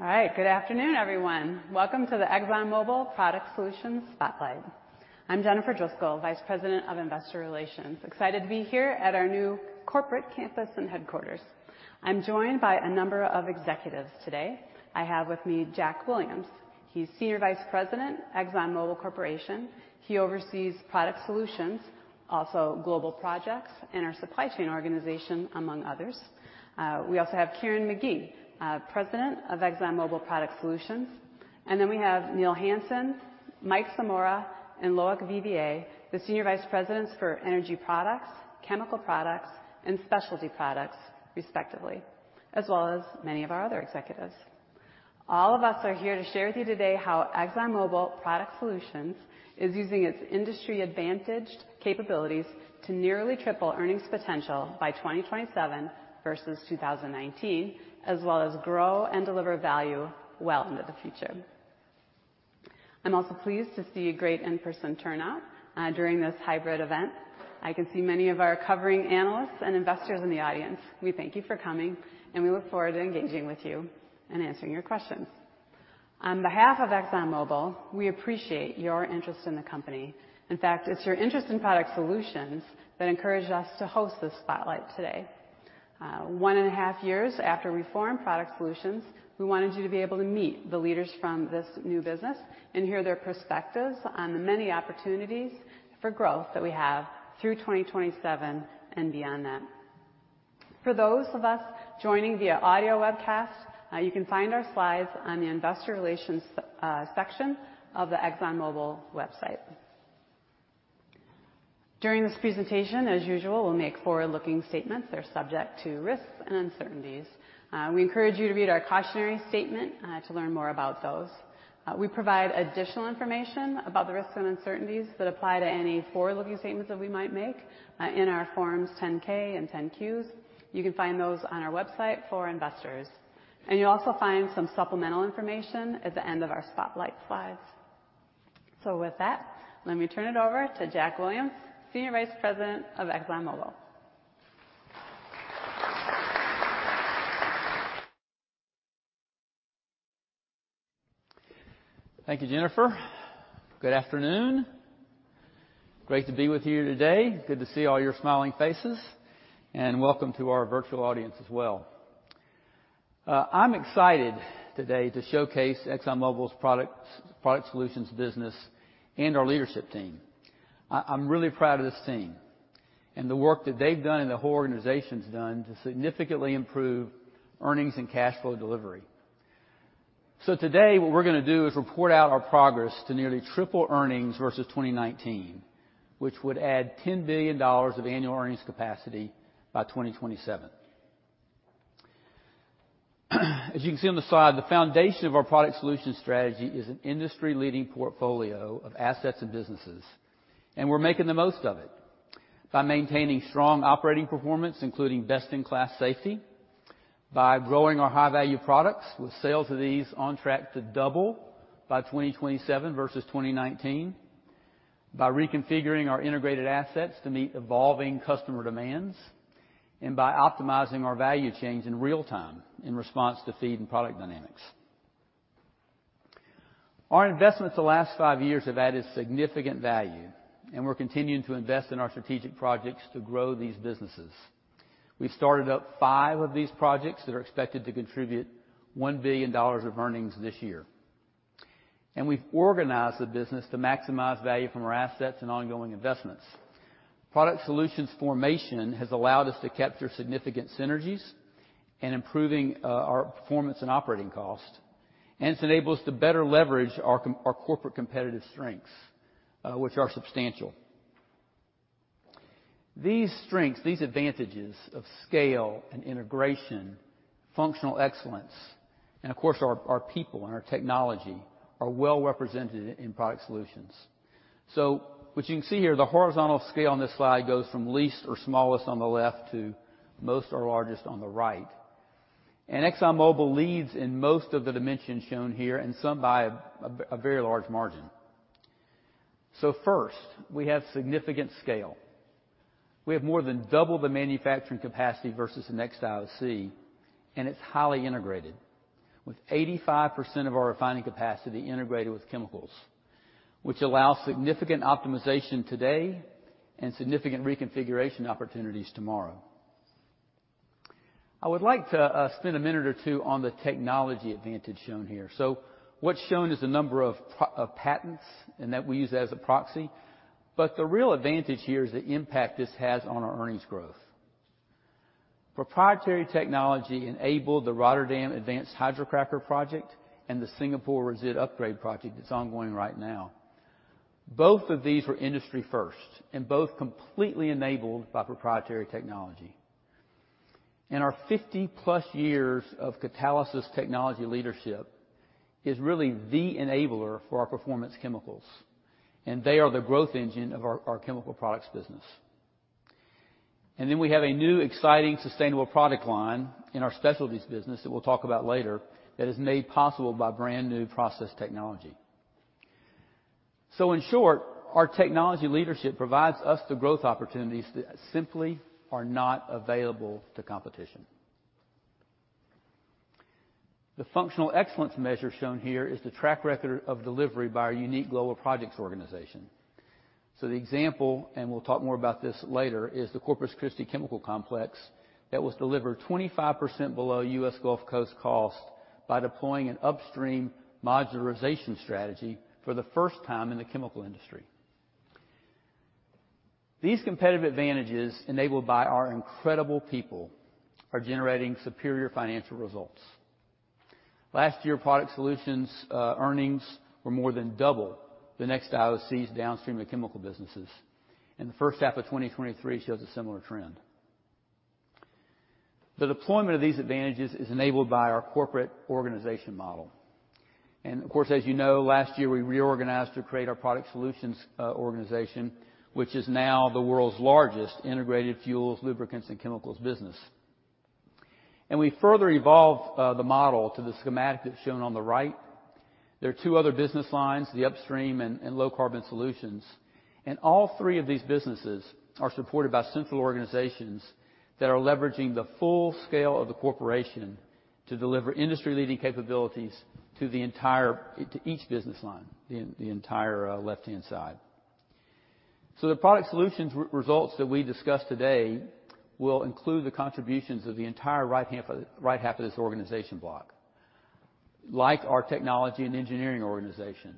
All right. Good afternoon, everyone. Welcome to the ExxonMobil Product Solutions Spotlight. I'm Jennifer Driscoll, Vice President of Investor Relations. Excited to be here at our new corporate campus and headquarters. I'm joined by a number of executives today. I have with me Jack Williams. He's Senior Vice President, ExxonMobil Corporation. He oversees Product Solutions, also Global Projects, and our supply chain organization, among others. We also have Karen McKee, President of ExxonMobil Product Solutions, and then we have Neil Hansen, Mike Zamora, and Loic Vivier, the Senior Vice Presidents for Energy Products, Chemical Products, and Specialty Products, respectively, as well as many of our other executives. All of us are here to share with you today how ExxonMobil Product Solutions is using its industry-advantaged capabilities to nearly triple earnings potential by 2027 versus 2019, as well as grow and deliver value well into the future. I'm also pleased to see a great in-person turnout during this hybrid event. I can see many of our covering analysts and investors in the audience. We thank you for coming, and we look forward to engaging with you and answering your questions. On behalf of ExxonMobil, we appreciate your interest in the company. In fact, it's your interest in Product Solutions that encouraged us to host this spotlight today. 1.5 years after we formed Product Solutions, we wanted you to be able to meet the leaders from this new business and hear their perspectives on the many opportunities for growth that we have through 2027 and beyond that. For those of us joining via audio webcast, you can find our slides on the investor relations section of the ExxonMobil website. During this presentation, as usual, we'll make forward-looking statements that are subject to risks and uncertainties. We encourage you to read our cautionary statement to learn more about those. We provide additional information about the risks and uncertainties that apply to any forward-looking statements that we might make in our Forms 10-K and 10-Qs. You can find those on our website for investors, and you'll also find some supplemental information at the end of our spotlight slides. With that, let me turn it over to Jack Williams, Senior Vice President of ExxonMobil. Thank you, Jennifer. Good afternoon. Great to be with you here today. Good to see all your smiling faces, and welcome to our virtual audience as well. I'm excited today to showcase ExxonMobil's Products- Product Solutions business and our leadership team. I'm really proud of this team and the work that they've done and the whole organization's done to significantly improve earnings and cash flow delivery. So today, what we're gonna do is report out our progress to nearly triple earnings versus 2019, which would add $10 billion of annual earnings capacity by 2027. As you can see on the slide, the foundation of our Product Solutions strategy is an industry-leading portfolio of assets and businesses, and we're making the most of it by maintaining strong operating performance, including best-in-class safety, by growing our high-value products, with sales of these on track to double by 2027 versus 2019, by reconfiguring our integrated assets to meet evolving customer demands, and by optimizing our value chains in real time in response to feed and product dynamics. Our investments the last five years have added significant value, and we're continuing to invest in our strategic projects to grow these businesses. We've started up five of these projects that are expected to contribute $1 billion of earnings this year. We've organized the business to maximize value from our assets and ongoing investments. Product Solutions formation has allowed us to capture significant synergies in improving our performance and operating cost, and it's enabled us to better leverage our corporate competitive strengths, which are substantial. These strengths, these advantages of scale and integration, functional excellence, and of course, our people and our technology, are well represented in Product Solutions. So what you can see here, the horizontal scale on this slide goes from least or smallest on the left to most or largest on the right, and ExxonMobil leads in most of the dimensions shown here, and some by a very large margin. So first, we have significant scale. We have more than double the manufacturing capacity versus the next IOC, and it's highly integrated, with 85% of our refining capacity integrated with chemicals, which allows significant optimization today and significant reconfiguration opportunities tomorrow. I would like to spend a minute or two on the technology advantage shown here. So what's shown is the number of patents, and that we use as a proxy, but the real advantage here is the impact this has on our earnings growth. Proprietary technology enabled the Rotterdam Advanced Hydrocracker Project and the Singapore Resid Upgrade Project that's ongoing right now. Both of these were industry firsts, and both completely enabled by proprietary technology. And our 50-plus years of catalysis technology leadership is really the enabler for our performance chemicals, and they are the growth engine of our Chemical Products business. And then we have a new, exciting, sustainable product line in our specialties business that we'll talk about later, that is made possible by brand-new process technology. So in short, our technology leadership provides us the growth opportunities that simply are not available to competition. The functional excellence measure shown here is the track record of delivery by our unique global projects organization. So the example, and we'll talk more about this later, is the Corpus Christi Chemical Complex, that was delivered 25% below U.S. Gulf Coast cost by deploying an upstream modularization strategy for the first time in the chemical industry. These competitive advantages, enabled by our incredible people, are generating superior financial results. Last year, Product Solutions earnings were more than double the next IOC's downstream and chemical businesses, and the first half of 2023 shows a similar trend. The deployment of these advantages is enabled by our corporate organization model. Of course, as you know, last year, we reorganized to create our Product Solutions organization, which is now the world's largest integrated fuels, lubricants, and chemicals business. We further evolved the model to the schematic that's shown on the right. There are two other business lines, the upstream and Low carbon Solutions. All three of these businesses are supported by central organizations that are leveraging the full scale of the corporation to deliver industry-leading capabilities to the entire to each business line, the entire left-hand side. So the Product Solutions results that we discussed today will include the contributions of the entire right half of this organization block, like our technology and engineering organization,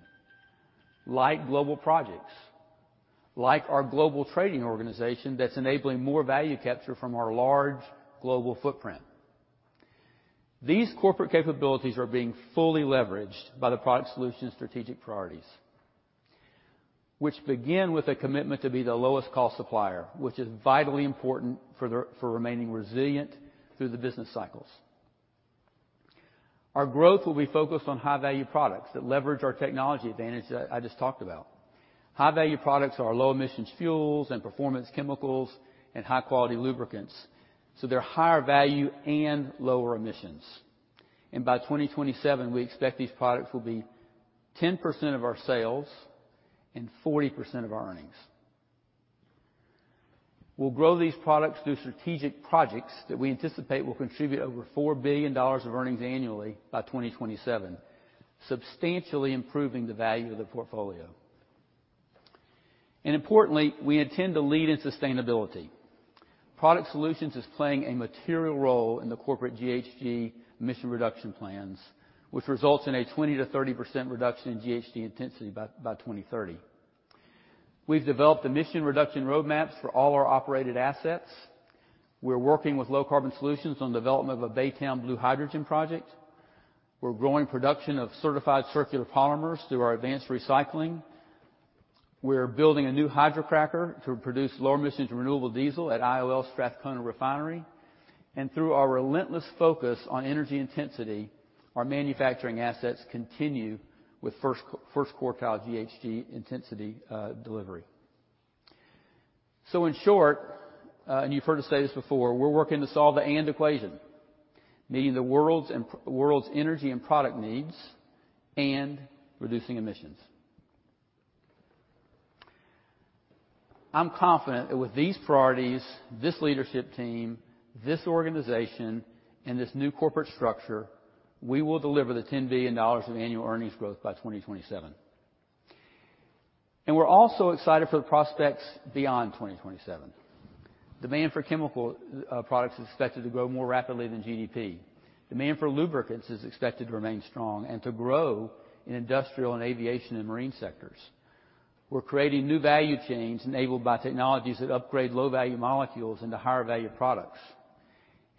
like Global Projects, like our global trading organization that's enabling more value capture from our large global footprint. These corporate capabilities are being fully leveraged by the Product Solutions strategic priorities, which begin with a commitment to be the lowest cost supplier, which is vitally important for remaining resilient through the business cycles. Our growth will be focused on high-value products that leverage our technology advantage that I just talked about. High-value products are low-emissions fuels and performance chemicals and high-quality lubricants, so they're higher value and lower emissions. By 2027, we expect these products will be 10% of our sales and 40% of our earnings. We'll grow these products through strategic projects that we anticipate will contribute over $4 billion of earnings annually by 2027, substantially improving the value of the portfolio. Importantly, we intend to lead in sustainability. Product Solutions is playing a material role in the corporate GHG emission reduction plans, which results in a 20%-30% reduction in GHG intensity by 2030. We've developed emission reduction roadmaps for all our operated assets. We're working with Low Carbon Solutions on development of a Baytown Blue Hydrogen project. We're growing production of certified circular polymers through our advanced recycling. We're building a new hydrocracker to produce lower emissions renewable diesel at IOL Strathcona Refinery. Through our relentless focus on energy intensity, our manufacturing assets continue with first quartile GHG intensity delivery. In short, and you've heard us say this before, we're working to solve the "and" equation, meeting the world's energy and product needs and reducing emissions. I'm confident that with these priorities, this leadership team, this organization, and this new corporate structure, we will deliver $10 billion of annual earnings growth by 2027. We're also excited for the prospects beyond 2027. Demand for Chemical Products is expected to grow more rapidly than GDP. Demand for lubricants is expected to remain strong and to grow in industrial and aviation and marine sectors. We're creating new value chains enabled by technologies that upgrade low-value molecules into higher-value products.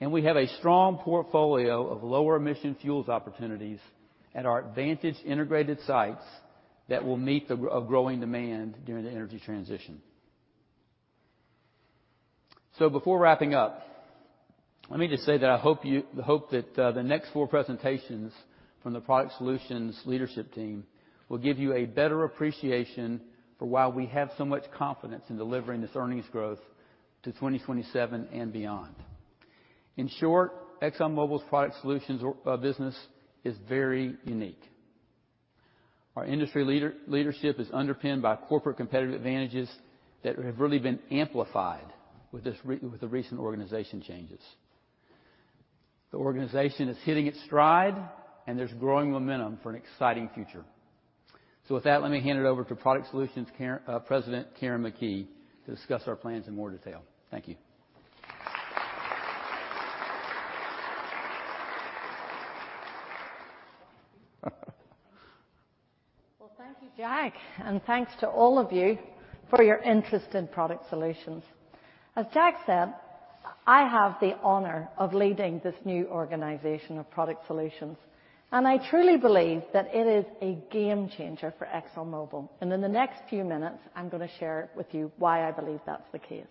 We have a strong portfolio of lower-emission fuels opportunities at our advantage integrated sites that will meet the growing demand during the energy transition. So before wrapping up, let me just say that I hope that the next four presentations from the Product Solutions leadership team will give you a better appreciation for why we have so much confidence in delivering this earnings growth to 2027 and beyond. In short, ExxonMobil's Product Solutions business is very unique. Our industry leadership is underpinned by corporate competitive advantages that have really been amplified with the recent organization changes. The organization is hitting its stride, and there's growing momentum for an exciting future. So with that, let me hand it over to Product Solutions President Karen McKee to discuss our plans in more detail. Thank you. Well, thank you, Jack, and thanks to all of you for your interest in Product Solutions. As Jack said, I have the honor of leading this new organization of Product Solutions, and I truly believe that it is a game changer for ExxonMobil. In the next few minutes, I'm gonna share with you why I believe that's the case.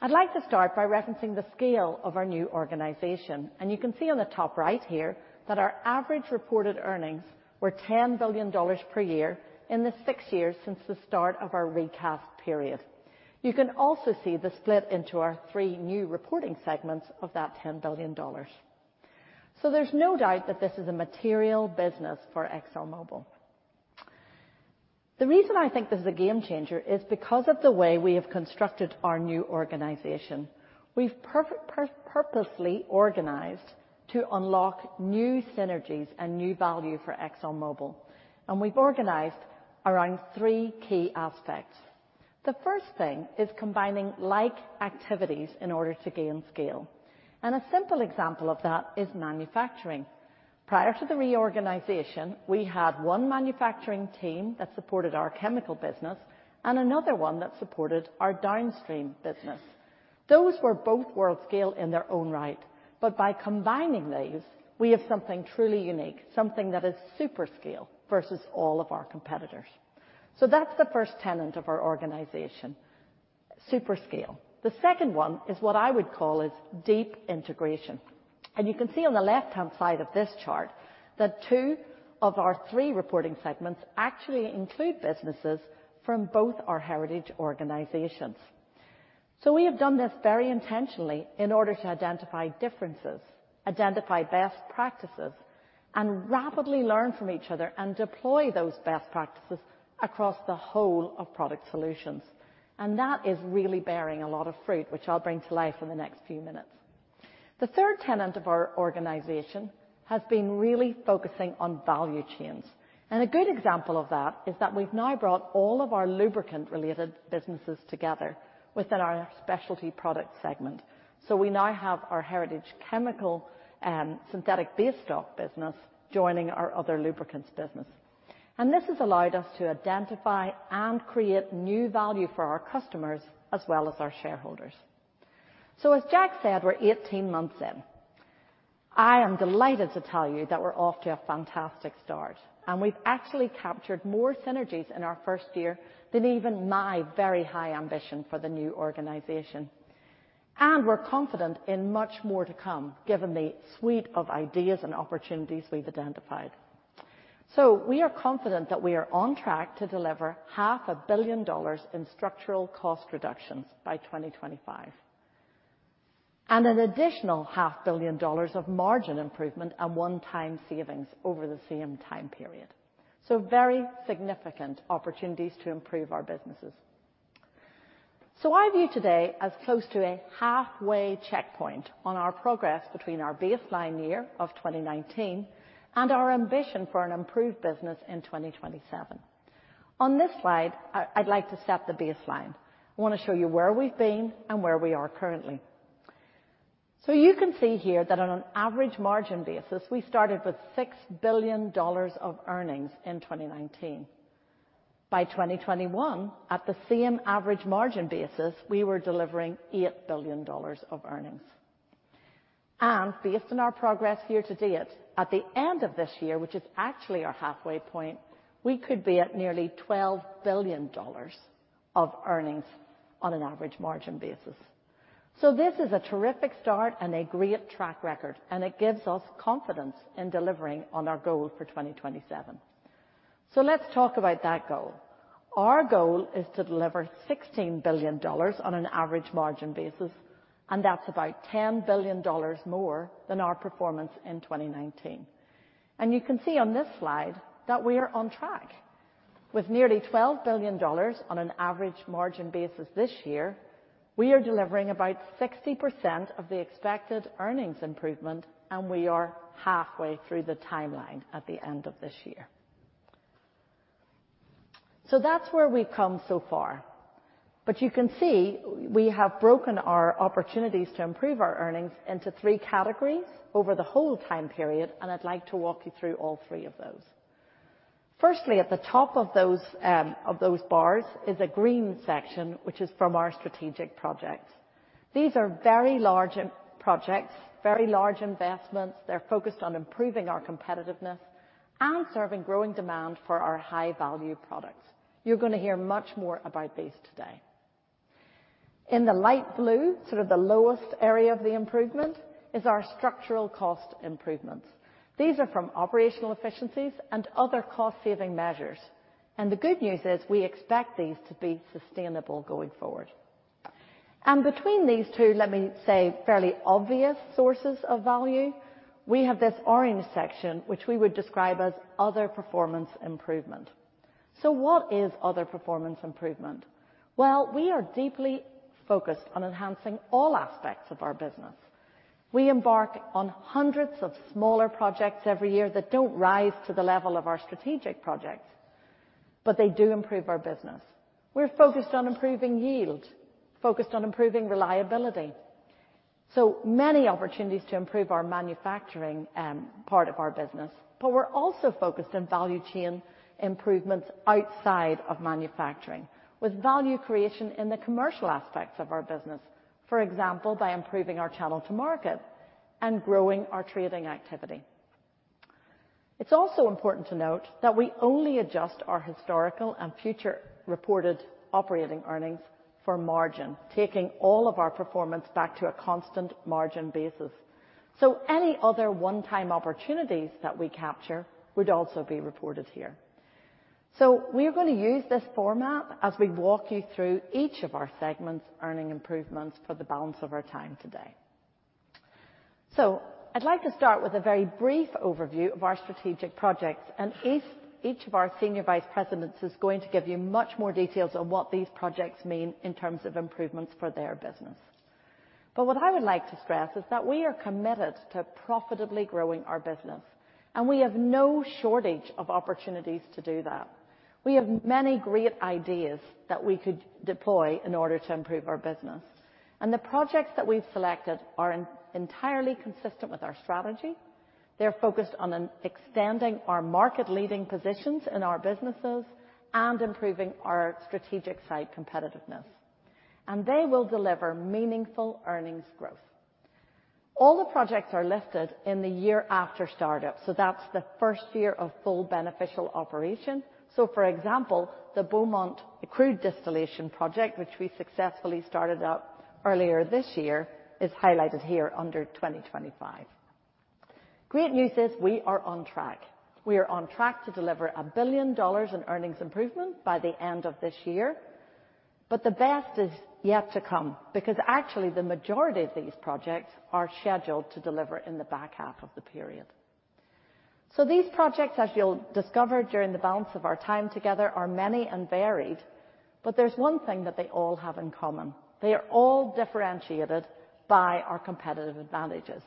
I'd like to start by referencing the scale of our new organization, and you can see on the top right here that our average reported earnings were $10 billion per year in the six years since the start of our recast period. You can also see the split into our three new reporting segments of that $10 billion. There's no doubt that this is a material business for ExxonMobil. The reason I think this is a game changer is because of the way we have constructed our new organization. We've purposely organized to unlock new synergies and new value for ExxonMobil, and we've organized around three key aspects. The first thing is combining like activities in order to gain scale, and a simple example of that is manufacturing. Prior to the reorganization, we had one manufacturing team that supported our chemical business and another one that supported our downstream business. Those were both world-scale in their own right, but by combining these, we have something truly unique, something that is super scale versus all of our competitors. So that's the first tenet of our organization, super scale. The second one is what I would call is deep integration, and you can see on the left-hand side of this chart that two of our three reporting segments actually include businesses from both our heritage organizations. So we have done this very intentionally in order to identify differences, identify best practices, and rapidly learn from each other and deploy those best practices across the whole of Product Solutions. And that is really bearing a lot of fruit, which I'll bring to life in the next few minutes. The third tenet of our organization has been really focusing on value chains. And a good example of that is that we've now brought all of our lubricant-related businesses together within our Specialty Products segment. We now have our heritage chemical and synthetic base stock business joining our other lubricants business, and this has allowed us to identify and create new value for our customers as well as our shareholders. As Jack said, we're 18 months in. I am delighted to tell you that we're off to a fantastic start, and we've actually captured more synergies in our first year than even my very high ambition for the new organization. We're confident in much more to come, given the suite of ideas and opportunities we've identified. We are confident that we are on track to deliver $500 million in structural cost reductions by 2025, and an additional $500 million of margin improvement and one-time savings over the same time period. Very significant opportunities to improve our businesses. So I view today as close to a halfway checkpoint on our progress between our baseline year of 2019 and our ambition for an improved business in 2027. On this slide, I'd like to set the baseline. I want to show you where we've been and where we are currently. So you can see here that on an average margin basis, we started with $6 billion of earnings in 2019. By 2021, at the same average margin basis, we were delivering $8 billion of earnings. And based on our progress year to date, at the end of this year, which is actually our halfway point, we could be at nearly $12 billion of earnings on an average margin basis. So this is a terrific start and a great track record, and it gives us confidence in delivering on our goal for 2027. So let's talk about that goal. Our goal is to deliver $16 billion on an average margin basis, and that's about $10 billion more than our performance in 2019. And you can see on this slide that we are on track. With nearly $12 billion on an average margin basis this year, we are delivering about 60% of the expected earnings improvement, and we are halfway through the timeline at the end of this year. So that's where we've come so far, but you can see we have broken our opportunities to improve our earnings into three categories over the whole time period, and I'd like to walk you through all three of those. Firstly, at the top of those, of those bars is a green section, which is from our strategic projects. These are very large projects, very large investments. They're focused on improving our competitiveness and serving growing demand for our high-value products. You're going to hear much more about these today. In the light blue, sort of the lowest area of the improvement, is our structural cost improvements. These are from operational efficiencies and other cost-saving measures, and the good news is we expect these to be sustainable going forward. Between these two, let me say, fairly obvious sources of value, we have this orange section, which we would describe as other performance improvement. So what is other performance improvement? Well, we are deeply focused on enhancing all aspects of our business. We embark on hundreds of smaller projects every year that don't rise to the level of our strategic projects, but they do improve our business. We're focused on improving yield, focused on improving reliability. So many opportunities to improve our manufacturing, part of our business, but we're also focused on value chain improvements outside of manufacturing, with value creation in the commercial aspects of our business. For example, by improving our channel to market and growing our trading activity. It's also important to note that we only adjust our historical and future reported operating earnings for margin, taking all of our performance back to a constant margin basis. So any other one-time opportunities that we capture would also be reported here. So we're gonna use this format as we walk you through each of our segments, earning improvements for the balance of our time today. So I'd like to start with a very brief overview of our strategic projects, and each of our senior vice presidents is going to give you much more details on what these projects mean in terms of improvements for their business. But what I would like to stress is that we are committed to profitably growing our business, and we have no shortage of opportunities to do that. We have many great ideas that we could deploy in order to improve our business, and the projects that we've selected are entirely consistent with our strategy. They're focused on extending our market-leading positions in our businesses and improving our strategic site competitiveness, and they will deliver meaningful earnings growth. All the projects are listed in the year after startup, so that's the first year of full beneficial operation. So for example, the Beaumont Crude Distillation Project, which we successfully started up earlier this year, is highlighted here under 2025. Great news is we are on track. We are on track to deliver $1 billion in earnings improvement by the end of this year, but the best is yet to come, because actually, the majority of these projects are scheduled to deliver in the back half of the period. So these projects, as you'll discover during the balance of our time together, are many and varied, but there's one thing that they all have in common. They are all differentiated by our competitive advantages,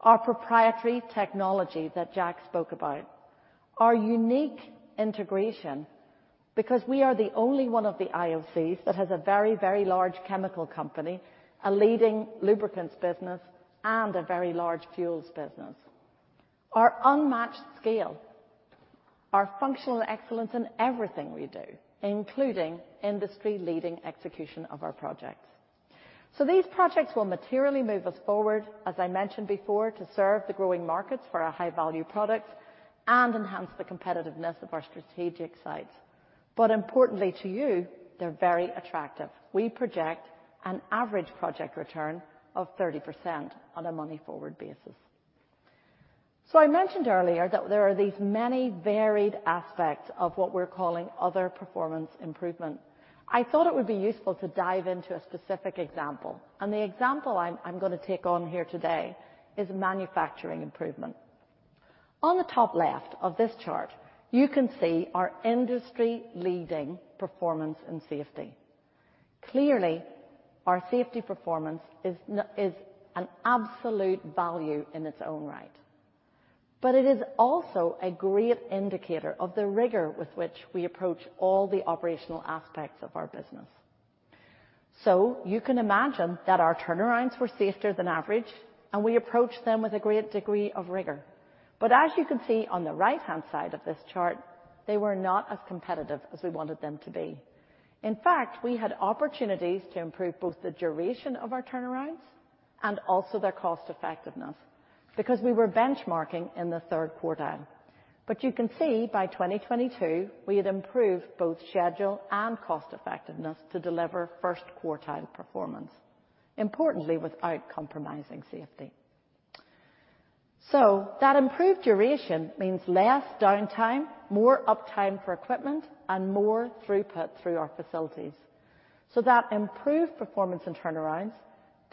our proprietary technology that Jack spoke about, our unique integration, because we are the only one of the IOCs that has a very, very large chemical company, a leading lubricants business, and a very large fuels business. Our unmatched scale, our functional excellence in everything we do, including industry-leading execution of our projects. So these projects will materially move us forward, as I mentioned before, to serve the growing markets for our high-value products and enhance the competitiveness of our strategic sites. But importantly to you, they're very attractive. We project an average project return of 30% on a money-forward basis. So I mentioned earlier that there are these many varied aspects of what we're calling other performance improvement. I thought it would be useful to dive into a specific example, and the example I'm gonna take on here today is manufacturing improvement. On the top left of this chart, you can see our industry-leading performance and safety. Clearly, our safety performance is an absolute value in its own right, but it is also a great indicator of the rigor with which we approach all the operational aspects of our business. So you can imagine that our turnarounds were safer than average, and we approached them with a great degree of rigor. But as you can see on the right-hand side of this chart, they were not as competitive as we wanted them to be. In fact, we had opportunities to improve both the duration of our turnarounds and also their cost effectiveness, because we were benchmarking in the third quartile. But you can see by 2022, we had improved both schedule and cost effectiveness to deliver first quartile performance, importantly, without compromising safety. So that improved duration means less downtime, more uptime for equipment, and more throughput through our facilities. So that improved performance and turnarounds,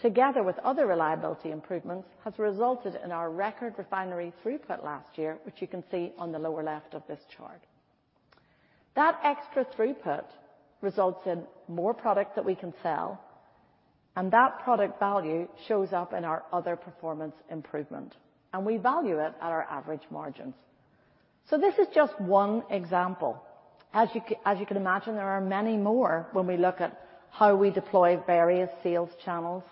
together with other reliability improvements, has resulted in our record refinery throughput last year, which you can see on the lower left of this chart. That extra throughput results in more product that we can sell, and that product value shows up in our other performance improvement, and we value it at our average margins. So this is just one example. As you can imagine, there are many more when we look at how we deploy various sales channels,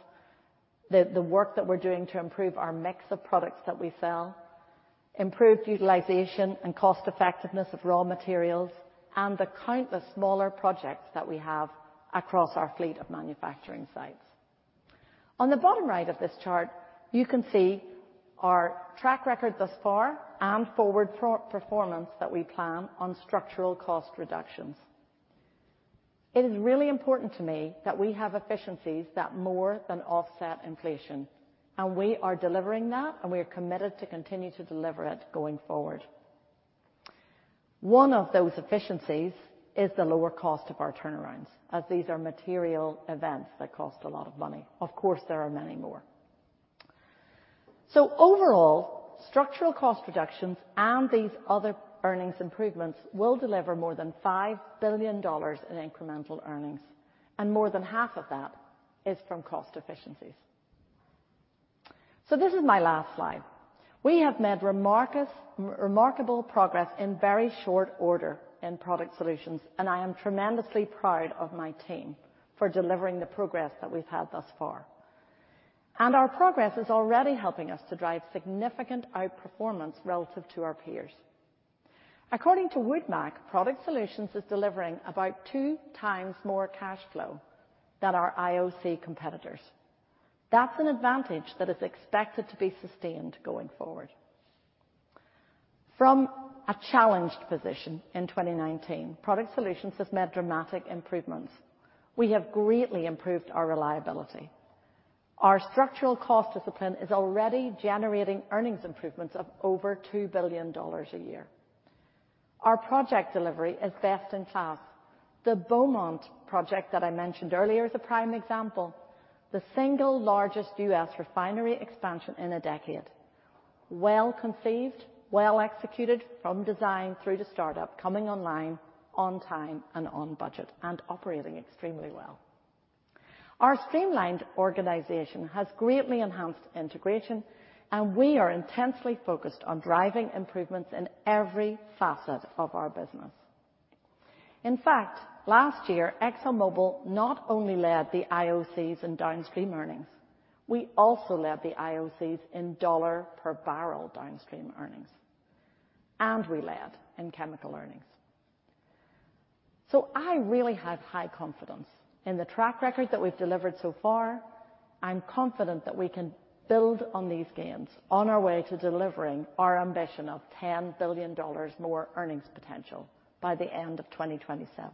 the work that we're doing to improve our mix of products that we sell, improved utilization and cost effectiveness of raw materials, and the countless smaller projects that we have across our fleet of manufacturing sites. On the bottom right of this chart, you can see our track record thus far and forward performance that we plan on structural cost reductions. It is really important to me that we have efficiencies that more than offset inflation, and we are delivering that, and we are committed to continue to deliver it going forward. One of those efficiencies is the lower cost of our turnarounds, as these are material events that cost a lot of money. Of course, there are many more. So overall, structural cost reductions and these other earnings improvements will deliver more than $5 billion in incremental earnings, and more than half of that is from cost efficiencies. So, this is my last slide. We have made remarkable progress in very short order in Product Solutions, and I am tremendously proud of my team for delivering the progress that we've had thus far. Our progress is already helping us to drive significant outperformance relative to our peers. According to WoodMac, Product Solutions is delivering about two times more cash flow than our IOC competitors. That's an advantage that is expected to be sustained going forward. From a challenged position in 2019, Product Solutions has made dramatic improvements. We have greatly improved our reliability. Our structural cost discipline is already generating earnings improvements of over $2 billion a year. Our project delivery is best in class. The Beaumont project that I mentioned earlier is a prime example. The single largest U.S. refinery expansion in a decade. Well-conceived, well executed from design through to startup, coming online on time and on budget, and operating extremely well. Our streamlined organization has greatly enhanced integration, and we are intensely focused on driving improvements in every facet of our business. In fact, last year, ExxonMobil not only led the IOCs in downstream earnings, we also led the IOCs in dollar per barrel downstream earnings, and we led in chemical earnings. So I really have high confidence in the track record that we've delivered so far. I'm confident that we can build on these gains on our way to delivering our ambition of $10 billion more earnings potential by the end of 2027.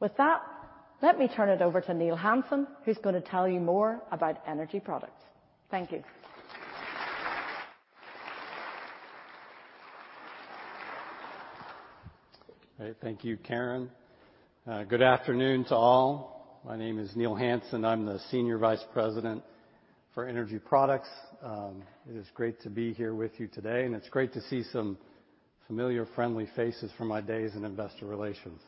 With that, let me turn it over to Neil Hansen, who's gonna tell you more about energy products. Thank you. Right, thank you, Karen. Good afternoon to all. My name is Neil Hansen. I'm the Senior Vice President for Energy Products. It is great to be here with you today, and it's great to see some familiar, friendly faces from my days in investor relations.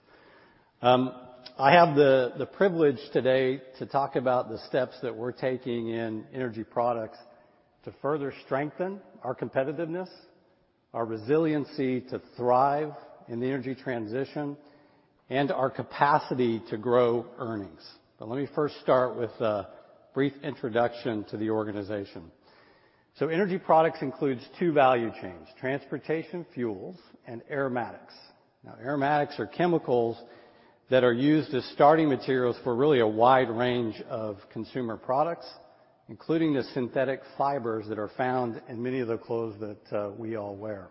I have the privilege today to talk about the steps that we're taking in energy products to further strengthen our competitiveness, our resiliency to thrive in the energy transition, and our capacity to grow earnings. But let me first start with a brief introduction to the organization. So energy products includes two value chains, transportation, fuels, and aromatics. Now, aromatics are chemicals that are used as starting materials for really a wide range of consumer products, including the synthetic fibers that are found in many of the clothes that we all wear.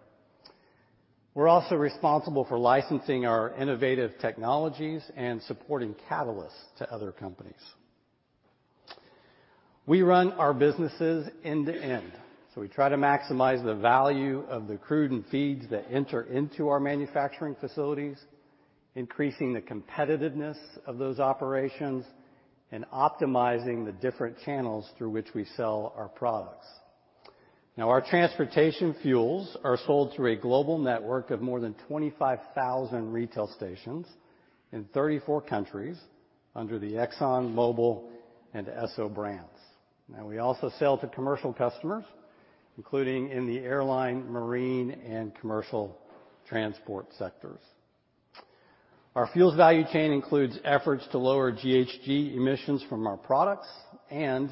We're also responsible for licensing our innovative technologies and supporting catalysts to other companies. We run our businesses end-to-end, so we try to maximize the value of the crude and feeds that enter into our manufacturing facilities, increasing the competitiveness of those operations, and optimizing the different channels through which we sell our products. Now, our transportation fuels are sold through a global network of more than 25,000 retail stations in 34 countries under the ExxonMobil and Esso brands. We also sell to commercial customers, including in the airline, marine, and commercial transport sectors. Our fuels value chain includes efforts to lower GHG emissions from our products, and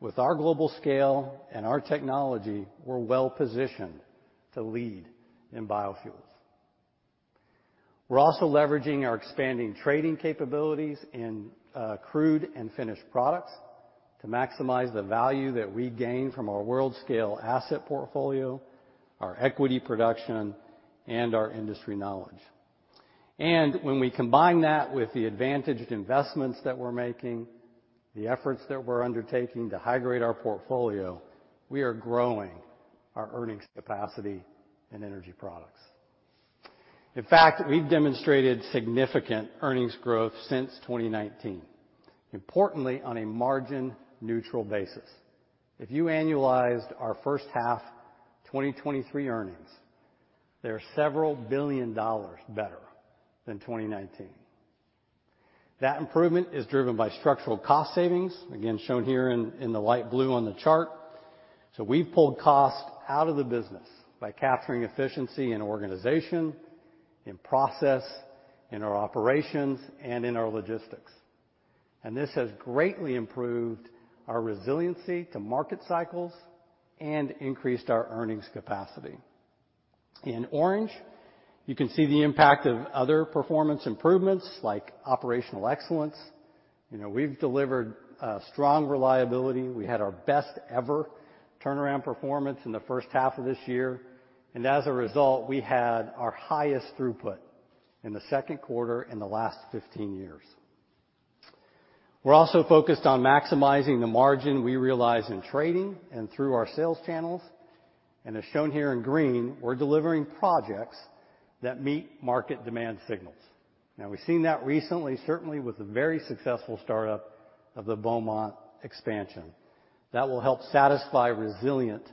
with our global scale and our technology, we're well-positioned to lead in biofuels. We're also leveraging our expanding trading capabilities in crude and finished products to maximize the value that we gain from our world-scale asset portfolio, our equity production, and our industry knowledge. And when we combine that with the advantaged investments that we're making, the efforts that we're undertaking to high-grade our portfolio, we are growing our earnings capacity and energy products. In fact, we've demonstrated significant earnings growth since 2019, importantly, on a margin-neutral basis. If you annualized our first half, 2023 earnings, they are $several billion better than 2019. That improvement is driven by structural cost savings, again, shown here in the light blue on the chart. So we've pulled cost out of the business by capturing efficiency in organization, in process, in our operations, and in our logistics. This has greatly improved our resiliency to market cycles and increased our earnings capacity. In orange, you can see the impact of other performance improvements like operational excellence. You know, we've delivered strong reliability. We had our best-ever turnaround performance in the first half of this year, and as a result, we had our highest throughput in the second quarter in the last 15 years. We're also focused on maximizing the margin we realize in trading and through our sales channels, and as shown here in green, we're delivering projects that meet market demand signals. Now, we've seen that recently, certainly with the very successful startup of the Beaumont expansion, that will help satisfy resilient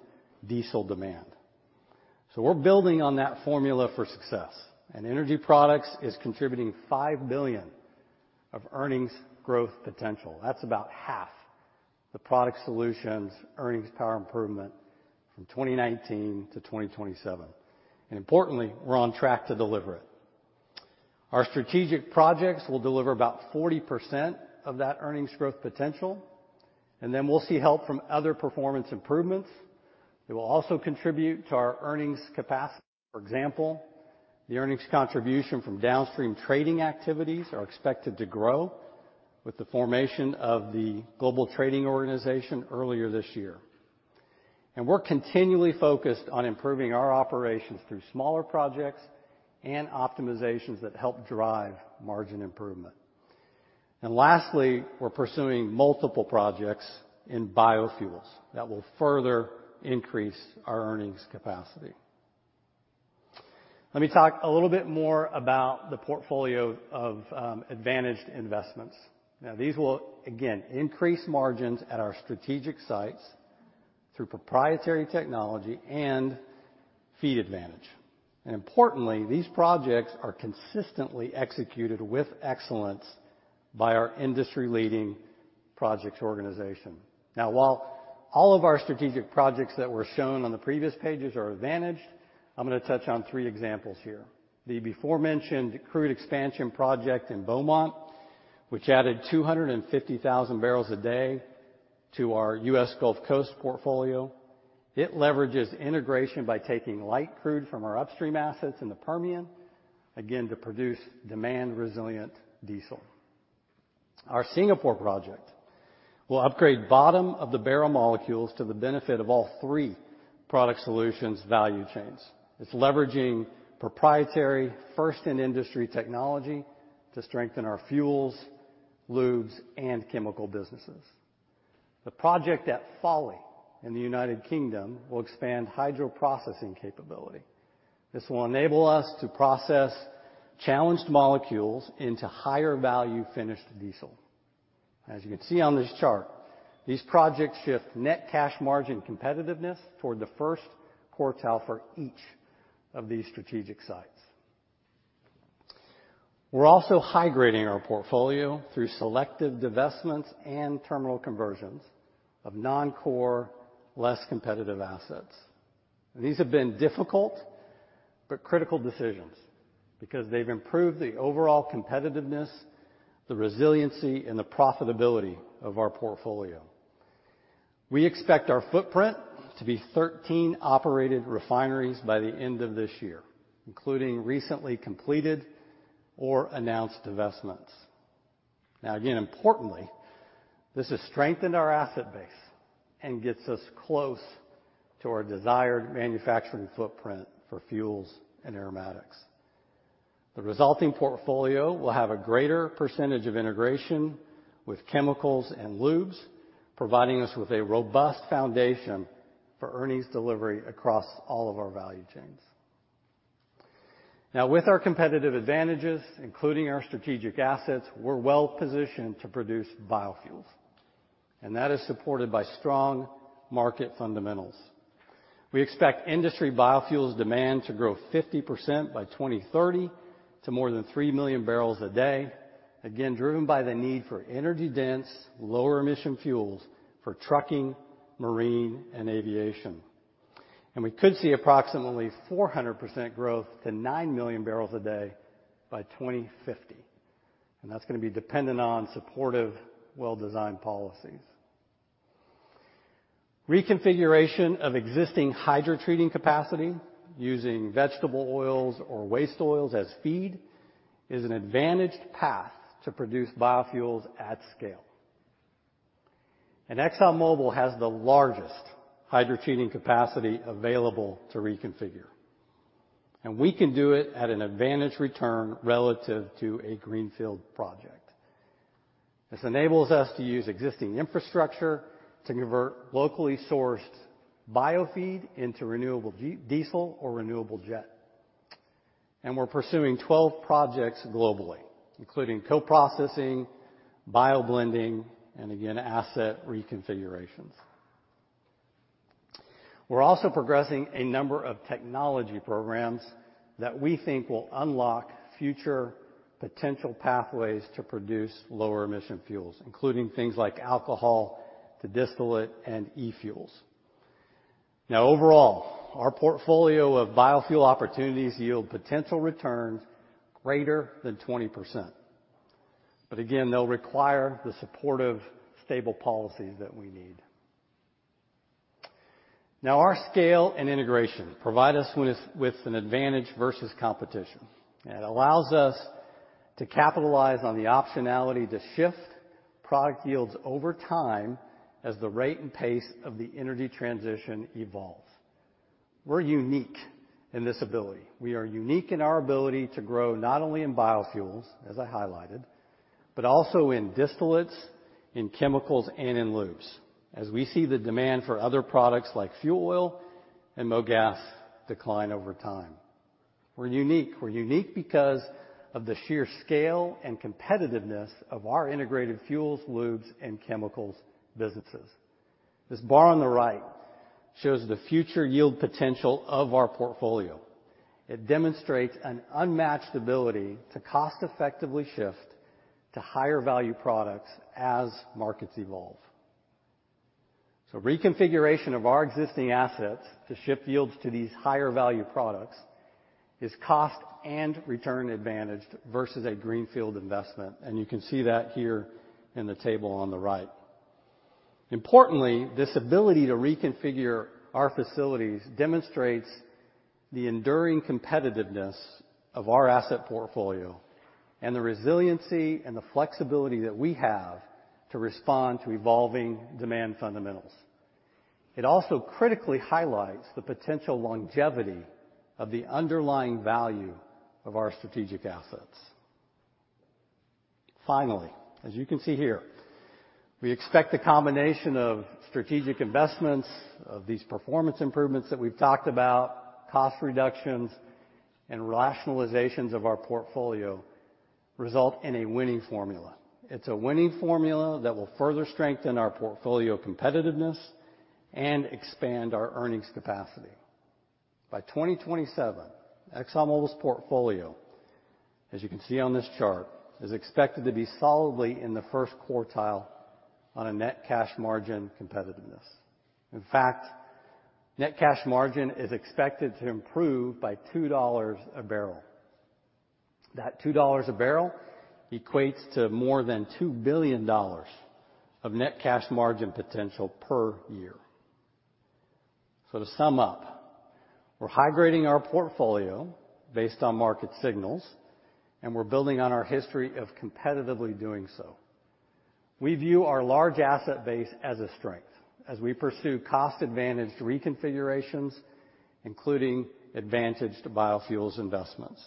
diesel demand. So we're building on that formula for success, and Energy Products is contributing $5 billion of earnings growth potential. That's about half the product solutions, earnings power improvement from 2019 to 2027, and importantly, we're on track to deliver it. Our strategic projects will deliver about 40% of that earnings growth potential, and then we'll see help from other performance improvements. It will also contribute to our earnings capacity. For example, the earnings contribution from downstream trading activities are expected to grow with the formation of the global trading organization earlier this year, and we're continually focused on improving our operations through smaller projects and optimizations that help drive margin improvement. And lastly, we're pursuing multiple projects in biofuels that will further increase our earnings capacity. Let me talk a little bit more about the portfolio of advantaged investments. Now, these will again increase margins at our strategic sites through proprietary technology and feed advantage. Importantly, these projects are consistently executed with excellence by our industry-leading projects organization. While all of our strategic projects that were shown on the previous pages are advantaged, I'm gonna touch on three examples here. The beforementioned crude expansion project in Beaumont, which added 250,000 barrels a day to our US Gulf Coast portfolio. It leverages integration by taking light crude from our upstream assets in the Permian, again, to produce demand-resilient diesel. Our Singapore project will upgrade bottom-of-the-barrel molecules to the benefit of all three Product Solutions value chains. It's leveraging proprietary, first-in-industry technology to strengthen our fuels, lubes, and chemical businesses. The project at Fawley in the United Kingdom will expand hydroprocessing capability. This will enable us to process challenged molecules into higher-value finished diesel. As you can see on this chart, these projects shift net cash margin competitiveness toward the first quartile for each of these strategic sites. We're also high-grading our portfolio through selective divestments and terminal conversions of non-core, less competitive assets. These have been difficult but critical decisions because they've improved the overall competitiveness, the resiliency, and the profitability of our portfolio. We expect our footprint to be 13 operated refineries by the end of this year, including recently completed or announced divestments. Now, again, importantly, this has strengthened our asset base and gets us close to our desired manufacturing footprint for fuels and aromatics. The resulting portfolio will have a greater percentage of integration with chemicals and lubes, providing us with a robust foundation for earnings delivery across all of our value chains. Now, with our competitive advantages, including our strategic assets, we're well positioned to produce biofuels, and that is supported by strong market fundamentals. We expect industry biofuels demand to grow 50% by 2030 to more than 3 million barrels a day, again, driven by the need for energy-dense, lower-emission fuels for trucking, marine, and aviation. We could see approximately 400% growth to 9 million barrels a day by 2050, and that's gonna be dependent on supportive, well-designed policies. Reconfiguration of existing hydrotreating capacity using vegetable oils or waste oils as feed is an advantaged path to produce biofuels at scale. ExxonMobil has the largest hydrotreating capacity available to reconfigure, and we can do it at an advantage return relative to a greenfield project. This enables us to use existing infrastructure to convert locally sourced biofeed into renewable diesel or renewable jet. And we're pursuing 12 projects globally, including co-processing, bio-blending, and again, asset reconfigurations. We're also progressing a number of technology programs that we think will unlock future potential pathways to produce lower-emission fuels, including things like alcohol to distillate and e-fuels. Now, overall, our portfolio of biofuel opportunities yield potential returns greater than 20%, but again, they'll require the supportive, stable policies that we need. Now, our scale and integration provide us with an advantage versus competition. It allows us to capitalize on the optionality to shift product yields over time as the rate and pace of the energy transition evolves. We're unique in this ability. We are unique in our ability to grow not only in biofuels, as I highlighted, but also in distillates, in chemicals, and in lubes, as we see the demand for other products like fuel oil and mogas decline over time. We're unique. We're unique because of the sheer scale and competitiveness of our integrated fuels, lubes, and chemicals businesses. This bar on the right shows the future yield potential of our portfolio. It demonstrates an unmatched ability to cost effectively shift to higher-value products as markets evolve. So reconfiguration of our existing assets to shift yields to these higher-value products is cost and return advantaged versus a greenfield investment, and you can see that here in the table on the right. Importantly, this ability to reconfigure our facilities demonstrates the enduring competitiveness of our asset portfolio and the resiliency and the flexibility that we have to respond to evolving demand fundamentals. It also critically highlights the potential longevity of the underlying value of our strategic assets. Finally, as you can see here, we expect the combination of strategic investments, of these performance improvements that we've talked about, cost reductions, and rationalizations of our portfolio result in a winning formula. It's a winning formula that will further strengthen our portfolio competitiveness and expand our earnings capacity. By 2027, ExxonMobil's portfolio, as you can see on this chart, is expected to be solidly in the first quartile on a net cash margin competitiveness. In fact, net cash margin is expected to improve by $2 a barrel. That $2 a barrel equates to more than $2 billion of net cash margin potential per year. To sum up, we're high-grading our portfolio based on market signals, and we're building on our history of competitively doing so. We view our large asset base as a strength as we pursue cost-advantaged reconfigurations, including advantage to biofuels investments.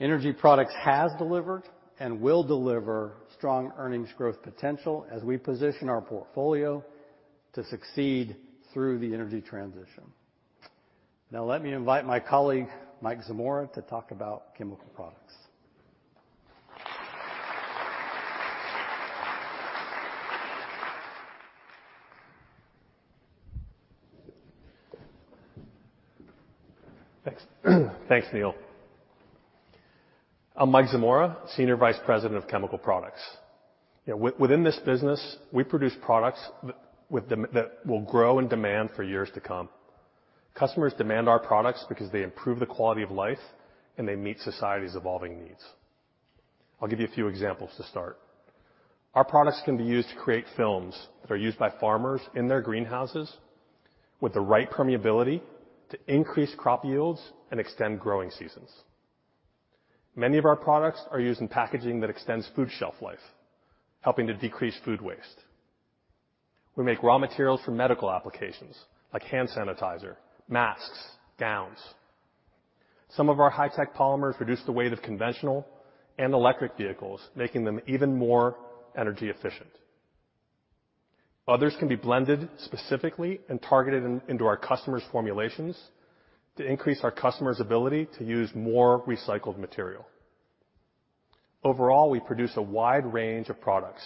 Energy Products has delivered and will deliver strong earnings growth potential as we position our portfolio to succeed through the energy transition. Now, let me invite my colleague, Mike Zamora, to talk about Chemical Products. Thanks. Thanks, Neil. I'm Mike Zamora, Senior Vice President of Chemical Products. Yeah, within this business, we produce products that will grow in demand for years to come. Customers demand our products because they improve the quality of life, and they meet society's evolving needs. I'll give you a few examples to start. Our products can be used to create films that are used by farmers in their greenhouses, with the right permeability to increase crop yields and extend growing seasons. Many of our products are used in packaging that extends food shelf life, helping to decrease food waste. We make raw materials for medical applications like hand sanitizer, masks, gowns. Some of our high-tech polymers reduce the weight of conventional and electric vehicles, making them even more energy efficient. Others can be blended specifically and targeted in, into our customers' formulations to increase our customers' ability to use more recycled material. Overall, we produce a wide range of products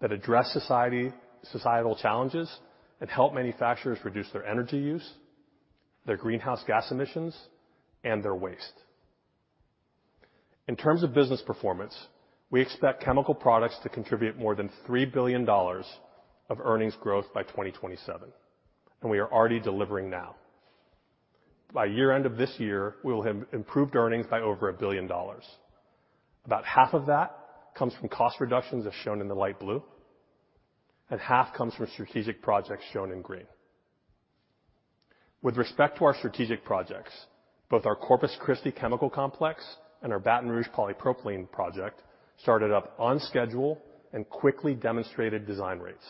that address society, societal challenges and help manufacturers reduce their energy use, their greenhouse gas emissions, and their waste. In terms of business performance, we expect Chemical Products to contribute more than $3 billion of earnings growth by 2027, and we are already delivering now. By year-end of this year, we will have improved earnings by over $1 billion. About half of that comes from cost reductions, as shown in the light blue, and half comes from strategic projects, shown in green. With respect to our strategic projects, both our Corpus Christi Chemical Complex and our Baton Rouge Polypropylene project started up on schedule and quickly demonstrated design rates.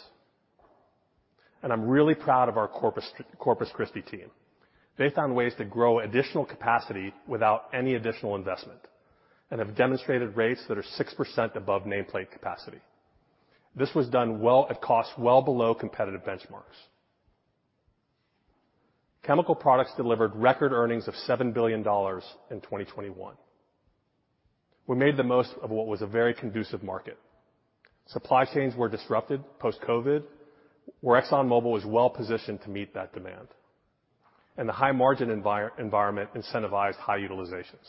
I'm really proud of our Corpus Christi team. They found ways to grow additional capacity without any additional investment and have demonstrated rates that are 6% above nameplate capacity. This was done well, at cost well below competitive benchmarks. Chemical products delivered record earnings of $7 billion in 2021. We made the most of what was a very conducive market. Supply chains were disrupted post-COVID, where ExxonMobil was well positioned to meet that demand, and the high margin environment incentivized high utilizations.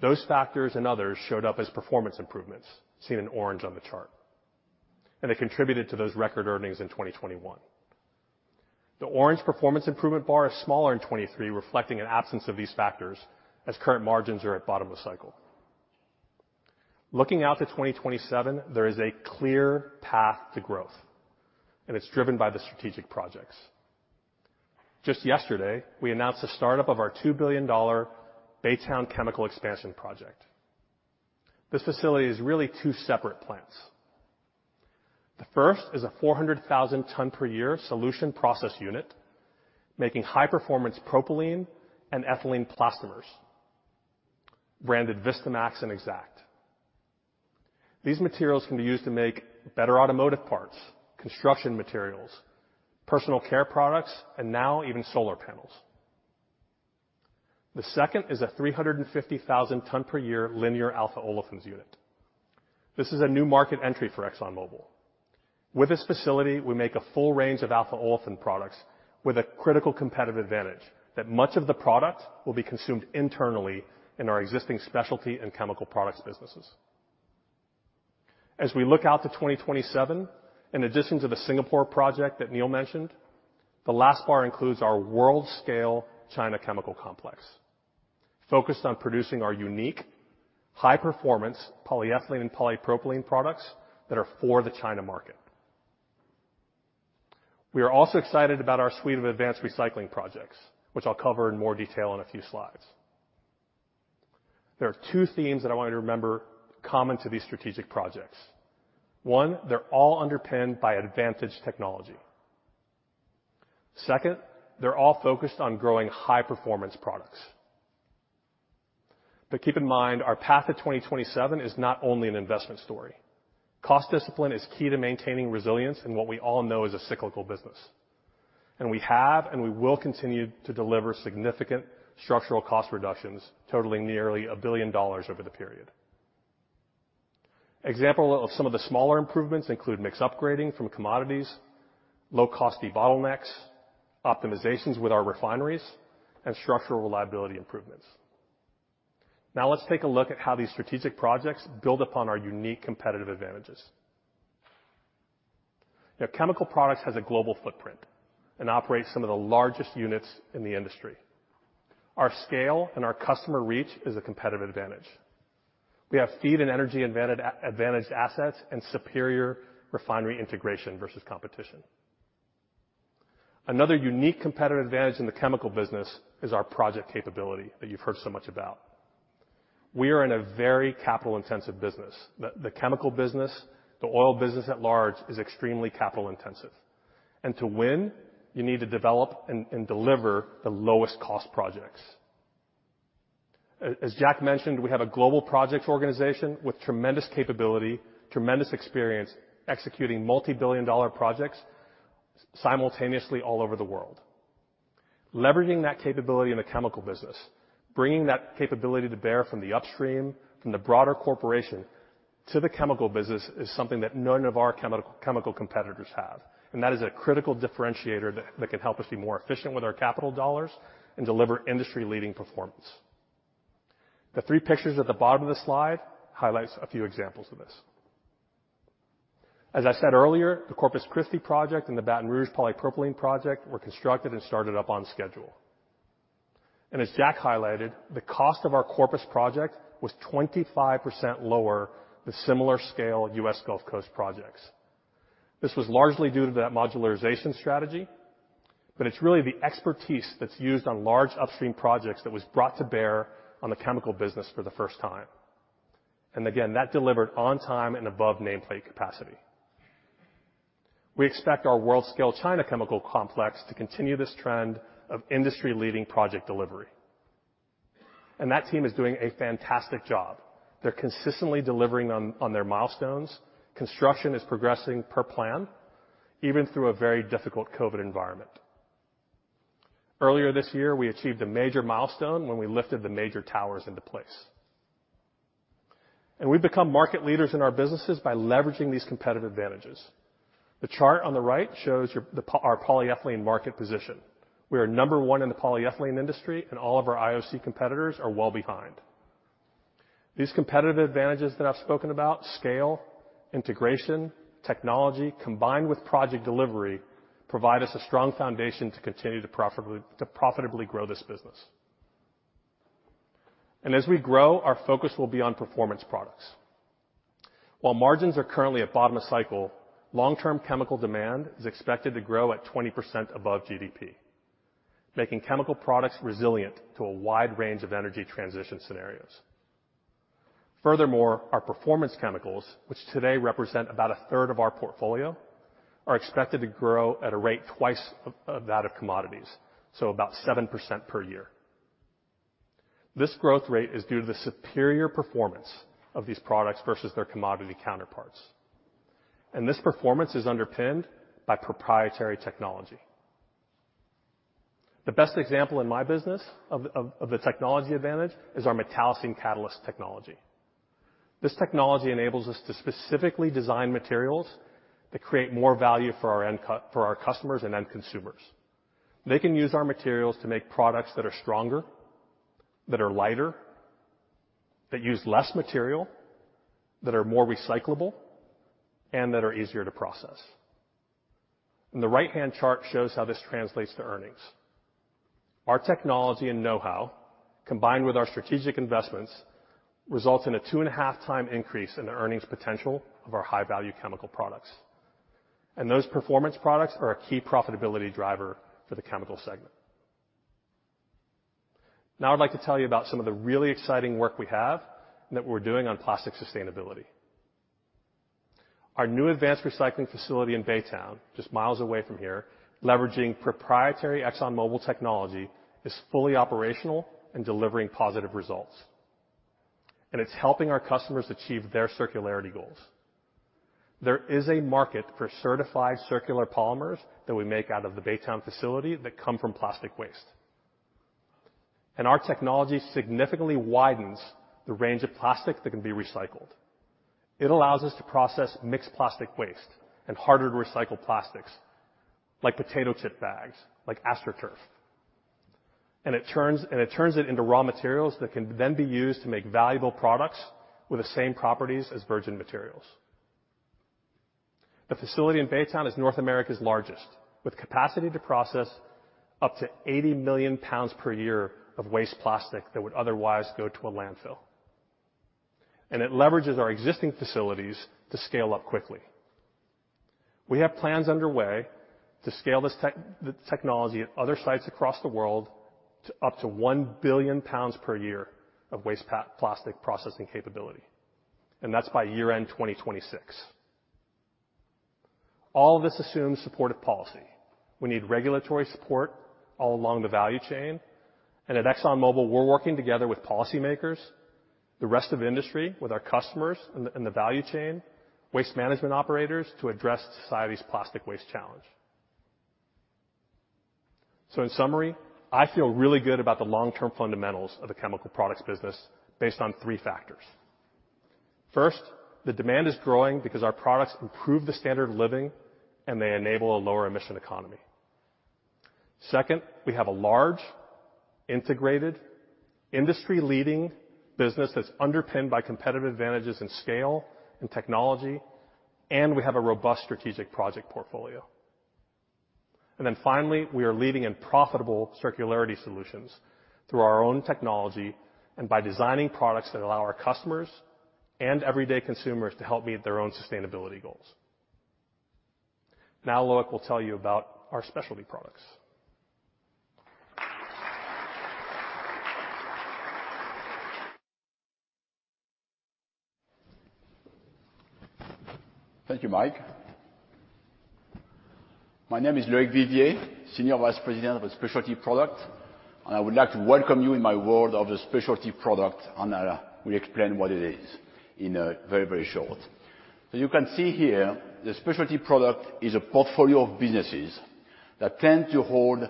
Those factors and others showed up as performance improvements, seen in orange on the chart, and they contributed to those record earnings in 2021. The orange performance improvement bar is smaller in 2023, reflecting an absence of these factors, as current margins are at bottom of cycle. Looking out to 2027, there is a clear path to growth, and it's driven by the strategic projects. Just yesterday, we announced the startup of our $2 billion Baytown Chemical Expansion project. This facility is really two separate plants. The first is a 400,000 ton per year solution process unit, making high-performance propylene and ethylene plastomers, branded Vistamaxx and Exact. These materials can be used to make better automotive parts, construction materials, personal care products, and now even solar panels. The second is a 350,000 ton per year linear alpha olefins unit. This is a new market entry for ExxonMobil. With this facility, we make a full range of alpha olefin products with a critical competitive advantage that much of the product will be consumed internally in our existing specialty and Chemical Products businesses. As we look out to 2027, in addition to the Singapore project that Neil mentioned, the last bar includes our world-scale China Chemical Complex, focused on producing our unique, high-performance polyethylene and polypropylene products that are for the China market. We are also excited about our suite of advanced recycling projects, which I'll cover in more detail in a few slides. There are two themes that I want you to remember common to these strategic projects. One, they're all underpinned by advantage technology. Second, they're all focused on growing high-performance products. But keep in mind, our path to 2027 is not only an investment story. Cost discipline is key to maintaining resilience in what we all know is a cyclical business, and we have, and we will continue to deliver significant structural cost reductions totaling nearly $1 billion over the period. Example of some of the smaller improvements include mix upgrading from commodities, low-cost de-bottlenecks, optimizations with our refineries, and structural reliability improvements. Now, let's take a look at how these strategic projects build upon our unique competitive advantages. Now, Chemical Products has a global footprint and operates some of the largest units in the industry. Our scale and our customer reach is a competitive advantage. We have feed and energy advantaged assets and superior refinery integration versus competition. Another unique competitive advantage in the chemical business is our project capability that you've heard so much about. We are in a very capital-intensive business. The chemical business, the oil business at large is extremely capital-intensive, and to win, you need to develop and deliver the lowest cost projects. As Jack mentioned, we have a global project organization with tremendous capability, tremendous experience executing multibillion-dollar projects simultaneously all over the world. Leveraging that capability in the chemical business, bringing that capability to bear from the upstream, from the broader corporation to the chemical business, is something that none of our chemical, chemical competitors have. And that is a critical differentiator that, that can help us be more efficient with our capital dollars and deliver industry-leading performance. The three pictures at the bottom of the slide highlights a few examples of this. As I said earlier, the Corpus Christi project and the Baton Rouge polypropylene project were constructed and started up on schedule. And as Jack highlighted, the cost of our Corpus project was 25% lower than similar scale U.S. Gulf Coast projects. This was largely due to that modularization strategy, but it's really the expertise that's used on large upstream projects that was brought to bear on the chemical business for the first time. Again, that delivered on time and above nameplate capacity. We expect our world-scale China chemical complex to continue this trend of industry-leading project delivery, and that team is doing a fantastic job. They're consistently delivering on, on their milestones. Construction is progressing per plan, even through a very difficult COVID environment. Earlier this year, we achieved a major milestone when we lifted the major towers into place, and we've become market leaders in our businesses by leveraging these competitive advantages. The chart on the right shows our polyethylene market position. We are number one in the polyethylene industry, and all of our IOC competitors are well behind. These competitive advantages that I've spoken about, scale, integration, technology, combined with project delivery, provide us a strong foundation to continue to profitably grow this business. And as we grow, our focus will be on performance products. While margins are currently at bottom of cycle, long-term chemical demand is expected to grow at 20% above GDP, making Chemical Products resilient to a wide range of energy transition scenarios. Furthermore, our performance chemicals, which today represent about a third of our portfolio, are expected to grow at a rate twice that of commodities, so about 7% per year. This growth rate is due to the superior performance of these products versus their commodity counterparts, and this performance is underpinned by proprietary technology. The best example in my business of the technology advantage is our metallocene catalyst technology. This technology enables us to specifically design materials that create more value for our end cut, for our customers and end consumers. They can use our materials to make products that are stronger, that are lighter, that use less material, that are more recyclable, and that are easier to process. The right-hand chart shows how this translates to earnings. Our technology and know-how, combined with our strategic investments, results in a 2.5-time increase in the earnings potential of our high-value Chemical Products, and those performance products are a key profitability driver for the chemical segment. Now, I'd like to tell you about some of the really exciting work we have and that we're doing on plastic sustainability. Our new advanced recycling facility in Baytown, just miles away from here, leveraging proprietary ExxonMobil technology, is fully operational and delivering positive results, and it's helping our customers achieve their circularity goals. There is a market for certified circular polymers that we make out of the Baytown facility that come from plastic waste. Our technology significantly widens the range of plastic that can be recycled. It allows us to process mixed plastic waste and harder to recycle plastics, like potato chip bags, like AstroTurf, and it turns it into raw materials that can then be used to make valuable products with the same properties as virgin materials. The facility in Baytown is North America's largest, with capacity to process up to 80 million pounds per year of waste plastic that would otherwise go to a landfill... and it leverages our existing facilities to scale up quickly. We have plans underway to scale this tech, the technology at other sites across the world to up to 1 billion pounds per year of waste plastic processing capability, and that's by year-end 2026. All this assumes supportive policy. We need regulatory support all along the value chain, and at ExxonMobil, we're working together with policymakers, the rest of industry, with our customers and the, and the value chain, waste management operators, to address society's plastic waste challenge. So in summary, I feel really good about the long-term fundamentals of the Chemical Products business based on three factors. First, the demand is growing because our products improve the standard of living, and they enable a lower emission economy. Second, we have a large, integrated, industry-leading business that's underpinned by competitive advantages in scale and technology, and we have a robust strategic project portfolio. Finally, we are leading in profitable circularity solutions through our own technology and by designing products that allow our customers and everyday consumers to help meet their own sustainability goals. Now Loic will tell you about our specialty products. Thank you, Mike. My name is Loic Vivier, Senior Vice President of Specialty Products, and I would like to welcome you in my world of the specialty product, and I will explain what it is in a very, very short. So you can see here, the specialty product is a portfolio of businesses that tend to hold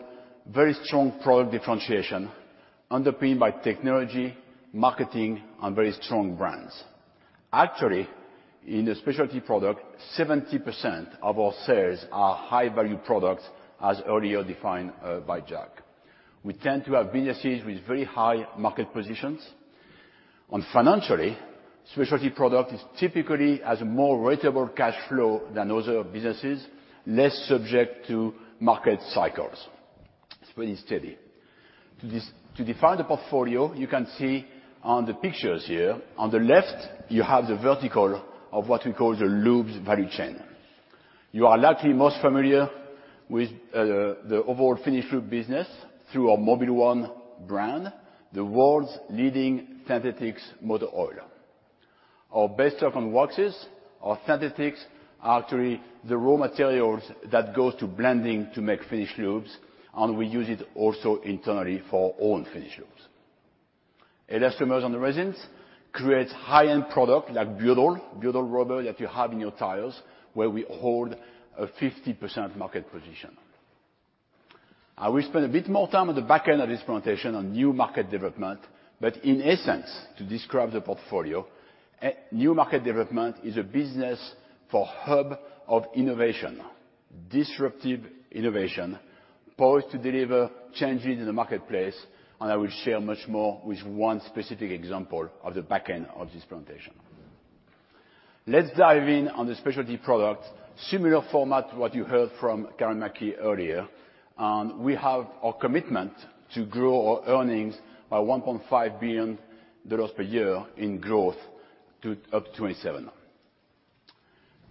very strong product differentiation, underpinned by technology, marketing, and very strong brands. Actually, in the specialty product, 70% of our sales are high-value products, as earlier defined by Jack. We tend to have businesses with very high market positions. On financially, specialty product is typically has a more ratable cash flow than other businesses, less subject to market cycles. It's very steady. To define the portfolio, you can see on the pictures here, on the left, you have the vertical of what we call the lubes value chain. You are likely most familiar with the overall finished lube business through our Mobil 1 brand, the world's leading synthetics motor oil. Our base stock and waxes, our synthetics, are actually the raw materials that goes to blending to make finished lubes, and we use it also internally for own finished lubes. Elastomers and resins creates high-end product like butyl, butyl rubber that you have in your tires, where we hold a 50% market position. I will spend a bit more time on the back end of this presentation on new market development, but in essence, to describe the portfolio, new market development is a business for hub of innovation, disruptive innovation, poised to deliver changes in the marketplace, and I will share much more with one specific example of the back end of this presentation. Let's dive in on the specialty product, similar format to what you heard from Karen McKee earlier, and we have our commitment to grow our earnings by $1.5 billion per year in growth to up to 2027.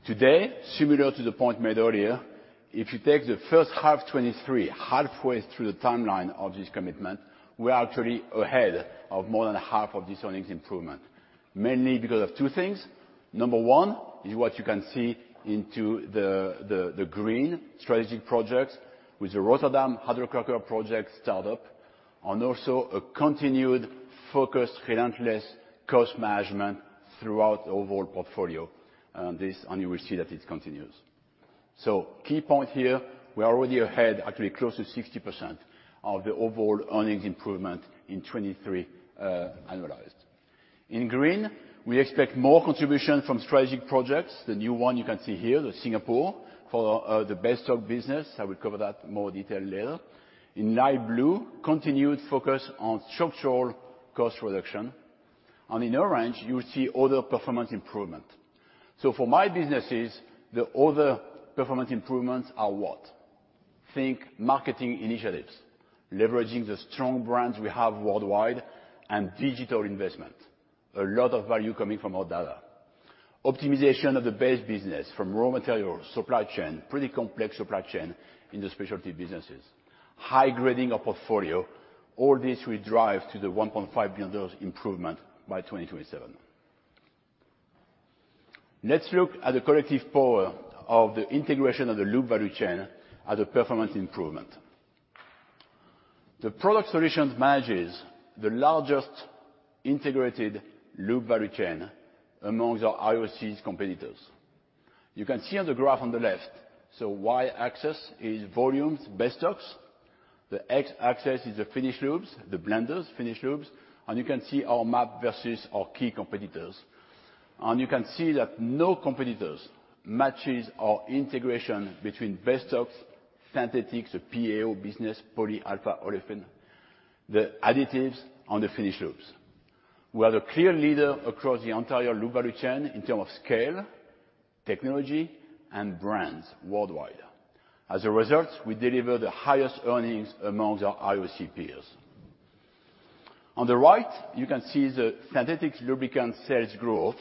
Today, similar to the point made earlier, if you take the first half 2023, halfway through the timeline of this commitment, we are actually ahead of more than half of this earnings improvement, mainly because of two things. Number one is what you can see into the green strategic projects with the Rotterdam Hydrocracker Project startup, and also a continued focused, relentless cost management throughout the overall portfolio. And you will see that it continues. So key point here, we are already ahead, actually close to 60% of the overall earnings improvement in 2023, annualized. In green, we expect more contribution from strategic projects. The new one you can see here, Singapore, for the base stock business. I will cover that in more detail later. In light blue, continued focus on structural cost reduction, and in orange, you see other performance improvement. For my businesses, the other performance improvements are what? Think marketing initiatives, leveraging the strong brands we have worldwide, and digital investment. A lot of value coming from our data. Optimization of the base business from raw materials, supply chain, pretty complex supply chain in the specialty businesses, high grading of portfolio, all this will drive to the $1.5 billion improvement by 2027. Let's look at the collective power of the integration of the lube value chain as a performance improvement. The Product Solutions manages the largest integrated lube value chain among our IOCs competitors. You can see on the graph on the left, Y-axis is volumes, base stocks. The X-axis is the finished lubes, the blenders, finished lubes, and you can see our map versus our key competitors. You can see that no competitors matches our integration between base stocks, synthetics, the PAO business, polyalphaolefin, the additives, and the finished lubes. We are the clear leader across the entire lube value chain in terms of scale, technology, and brands worldwide. As a result, we deliver the highest earnings among our IOC peers. On the right, you can see the synthetic lubricant sales growth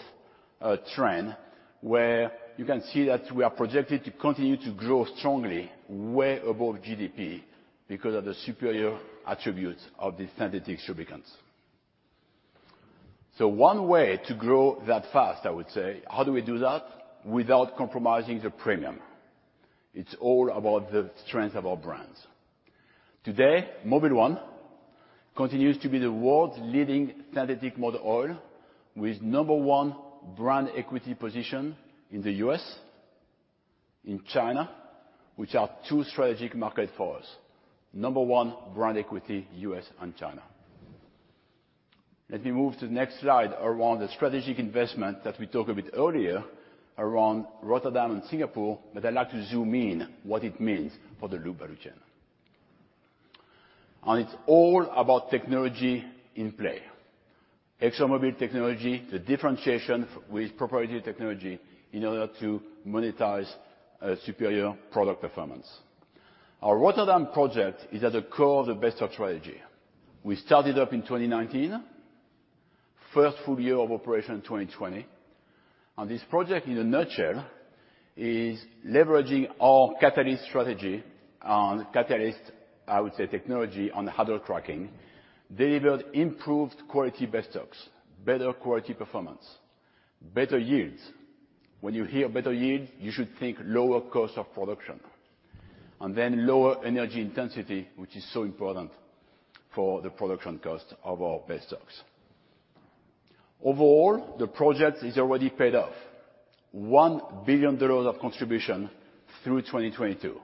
trend, where you can see that we are projected to continue to grow strongly, way above GDP, because of the superior attributes of the synthetic lubricants. One way to grow that fast, I would say, how do we do that without compromising the premium? It's all about the strength of our brands. Today, Mobil 1 continues to be the world's leading synthetic motor oil, with number one brand equity position in the U.S., in China, which are two strategic market for us. Number one, brand equity, U.S. and China. Let me move to the next slide around the strategic investment that we talked a bit earlier around Rotterdam and Singapore, but I'd like to zoom in what it means for the lube value chain. It's all about technology in play. ExxonMobil technology, the differentiation with proprietary technology, in order to monetize superior product performance. Our Rotterdam project is at the core of the basestock strategy. We started up in 2019, first full year of operation, 2020, and this project, in a nutshell, is leveraging our catalyst strategy on catalyst, I would say, technology on the hydrocracking, delivered improved quality basestocks, better quality performance, better yields. When you hear better yield, you should think lower cost of production, and then lower energy intensity, which is so important for the production cost of our basestocks. Overall, the project is already paid off. $1 billion of contribution through 2022,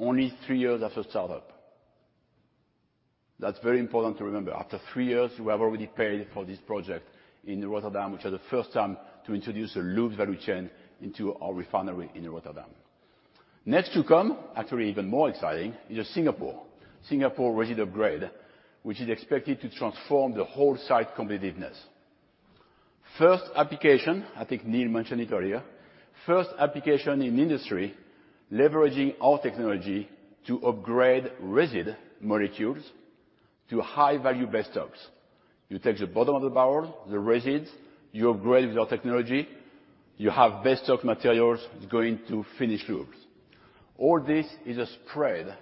only three years after startup. That's very important to remember. After three years, we have already paid for this project in Rotterdam, which was the first time to introduce a lube value chain into our refinery in Rotterdam. Next to come, actually, even more exciting, is Singapore. Singapore Resid Upgrade, which is expected to transform the whole site competitiveness. First application, I think Neil mentioned it earlier, first application in industry, leveraging our technology to upgrade resid molecules to high-value basestocks. You take the bottom of the barrel, the resid, you upgrade with your technology, you have basestock materials going to finished lubes. All this is a spread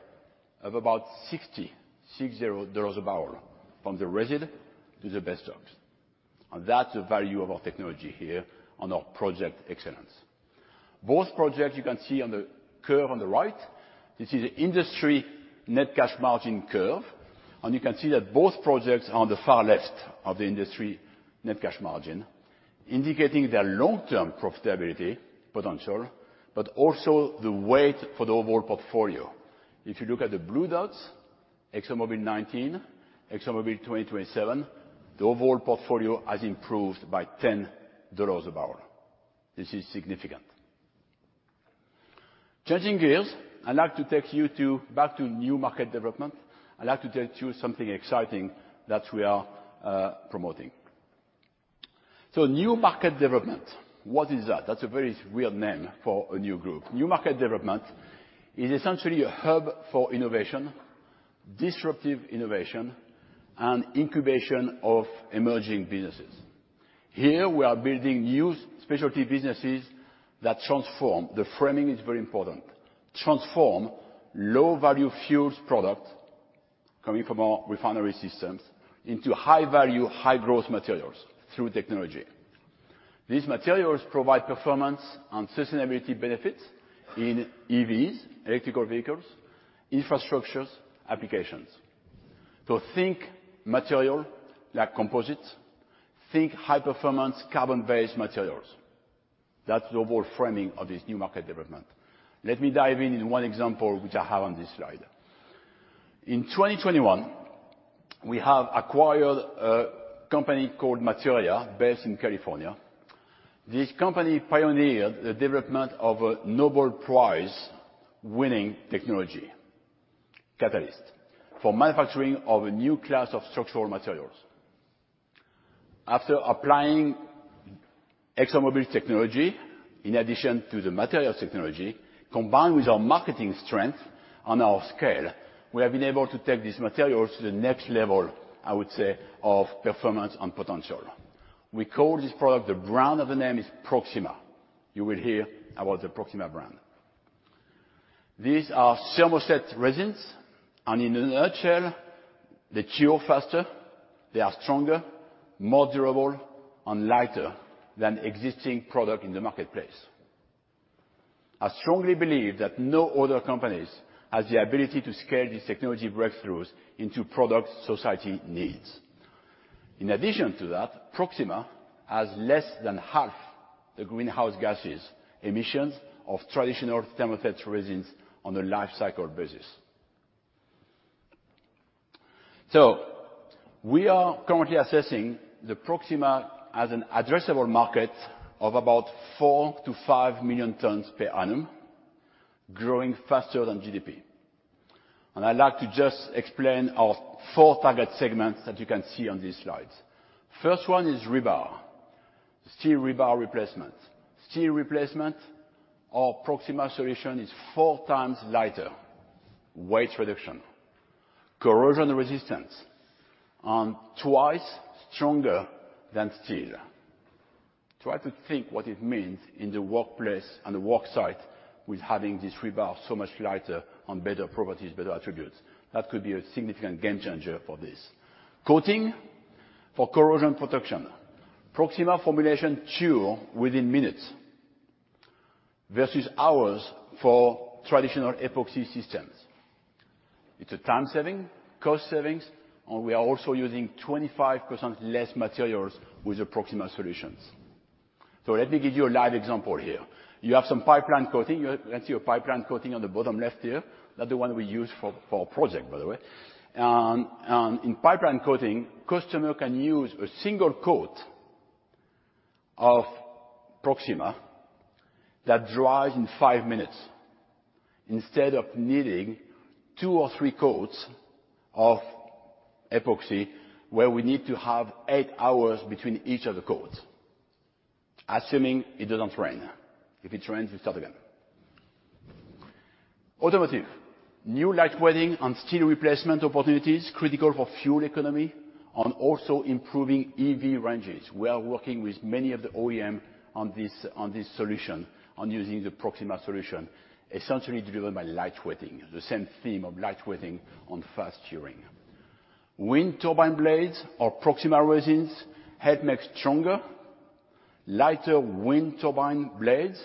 of about $60 a barrel from the resid to the basestocks, and that's the value of our technology here on our project excellence. Both projects you can see on the curve on the right. This is an industry net cash margin curve, and you can see that both projects are on the far left of the industry net cash margin, indicating their long-term profitability potential, but also the weight for the overall portfolio. If you look at the blue dots, ExxonMobil 2019, ExxonMobil 2027, the overall portfolio has improved by $10 a barrel. This is significant. Changing gears, I'd like to take you to, back to new market development. I'd like to tell you something exciting that we are promoting. So new market development, what is that? That's a very weird name for a new group. New market development is essentially a hub for innovation, disruptive innovation and incubation of emerging businesses. Here, we are building new specialty businesses that transform, the framing is very important, transform low-value fuels product coming from our refinery systems into high-value, high-growth materials through technology. These materials provide performance and sustainability benefits in EVs, electrical vehicles, infrastructures, applications. So think material, like composites, think high-performance, carbon-based materials. That's the overall framing of this new market development. Let me dive in in one example, which I have on this slide. In 2021, we have acquired a company called Materia, based in California. This company pioneered the development of a Nobel Prize-winning technology catalyst for manufacturing of a new class of structural materials. After applying ExxonMobil technology, in addition to the Materia technology, combined with our marketing strength and our scale, we have been able to take these materials to the next level, I would say, of performance and potential. We call this product, the brand of the name is Proxima. You will hear about the Proxima brand. These are thermoset resins, and in a nutshell, they cure faster, they are stronger, more durable, and lighter than existing product in the marketplace. I strongly believe that no other companies has the ability to scale these technology breakthroughs into products society needs. In addition to that, Proxima has less than half the greenhouse gases emissions of traditional thermoset resins on a life cycle basis. We are currently assessing the Proxima as an addressable market of about 4-5 million tons per annum, growing faster than GDP. I'd like to just explain our four target segments that you can see on this slide. First one is rebar, steel rebar replacement. Steel replacement, our Proxima solution is 4 times lighter, weight reduction, corrosion resistance, and twice stronger than steel. Try to think what it means in the workplace and the work site with having this rebar so much lighter on better properties, better attributes. That could be a significant game changer for this. Coating for corrosion protection. Proxima formulation cure within minutes versus hours for traditional epoxy systems. It's a time saving, cost savings, and we are also using 25% less materials with the Proxima solutions. Let me give you a live example here. You have some pipeline coating. You can see a pipeline coating on the bottom left here, not the one we use for, for our project, by the way. In pipeline coating, customer can use a single coat of Proxima that dries in five minutes instead of needing two or three coats of epoxy, where we need to have eight hours between each of the coats, assuming it doesn't rain. If it rains, we start again. Automotive. New lightweighting and steel replacement opportunities, critical for fuel economy and also improving EV ranges. We are working with many of the OEM on this, on this solution, on using the Proxima solution, essentially driven by lightweighting, the same theme of lightweighting on fast curing. Wind turbine blades or Proxima resins help make stronger, lighter wind turbine blades,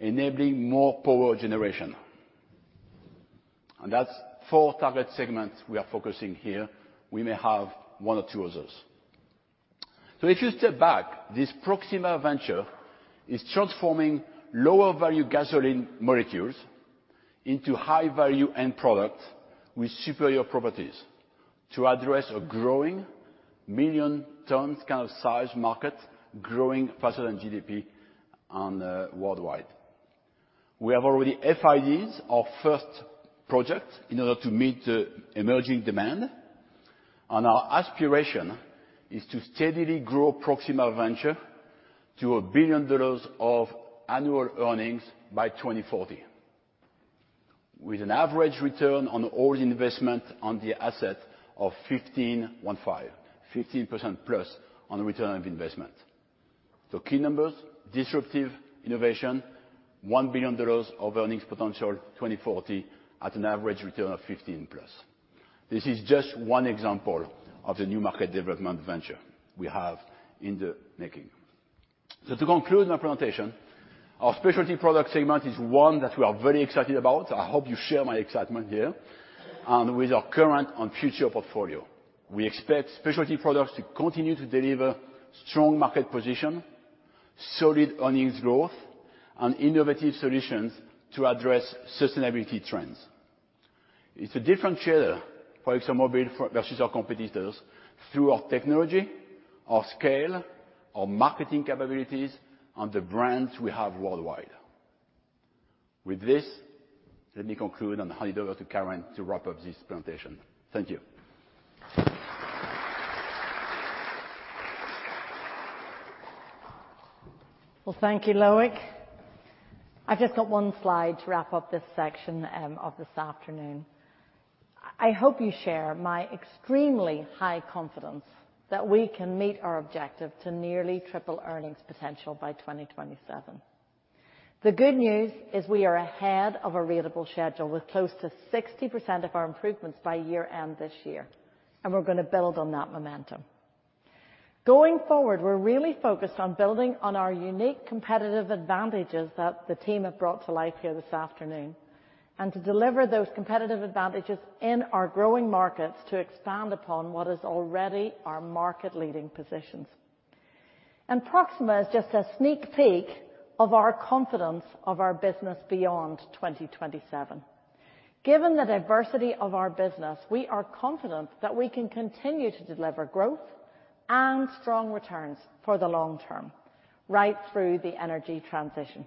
enabling more power generation. That's four target segments we are focusing here. We may have one or two others. If you step back, this Proxima venture is transforming lower-value gasoline molecules into high-value end products with superior properties to address a growing million tons kind of size market, growing faster than GDP worldwide. We have already FID'd, our first project, in order to meet the emerging demand, and our aspiration is to steadily grow Proxima venture to $1 billion of annual earnings by 2040, with an average return on all the investment on the asset of 15%, 1-5, 15%+ on return of investment. Key numbers, disruptive innovation, $1 billion of earnings potential, 2040, at an average return of 15%+. This is just one example of the new market development venture we have in the making. To conclude my presentation, our specialty product segment is one that we are very excited about. I hope you share my excitement here, and with our current and future portfolio. We expect specialty products to continue to deliver strong market position, solid earnings growth, and innovative solutions to address sustainability trends. It's a different share for ExxonMobil versus our competitors through our technology, our scale, our marketing capabilities, and the brands we have worldwide. With this, let me conclude and hand it over to Karen to wrap up this presentation. Thank you. Well, thank you, Loic. I've just got one slide to wrap up this section of this afternoon. I hope you share my extremely high confidence that we can meet our objective to nearly triple earnings potential by 2027. The good news is we are ahead of a reliable schedule, with close to 60% of our improvements by year-end this year, and we're going to build on that momentum. Going forward, we're really focused on building on our unique competitive advantages that the team have brought to life here this afternoon, and to deliver those competitive advantages in our growing markets, to expand upon what is already our market-leading positions. Proxima is just a sneak peek of our confidence of our business beyond 2027. Given the diversity of our business, we are confident that we can continue to deliver growth and strong returns for the long term, right through the energy transition.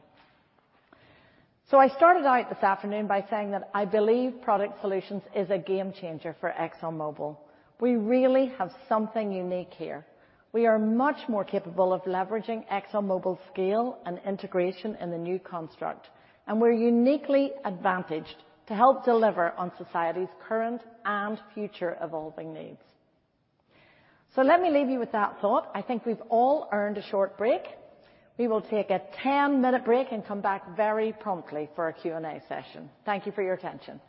So I started out this afternoon by saying that I believe Product Solutions is a game changer for ExxonMobil. We really have something unique here. We are much more capable of leveraging ExxonMobil's scale and integration in the new construct, and we're uniquely advantaged to help deliver on society's current and future evolving needs. So let me leave you with that thought. I think we've all earned a short break. We will take a 10-minute break and come back very promptly for our Q&A session. Thank you for your attention.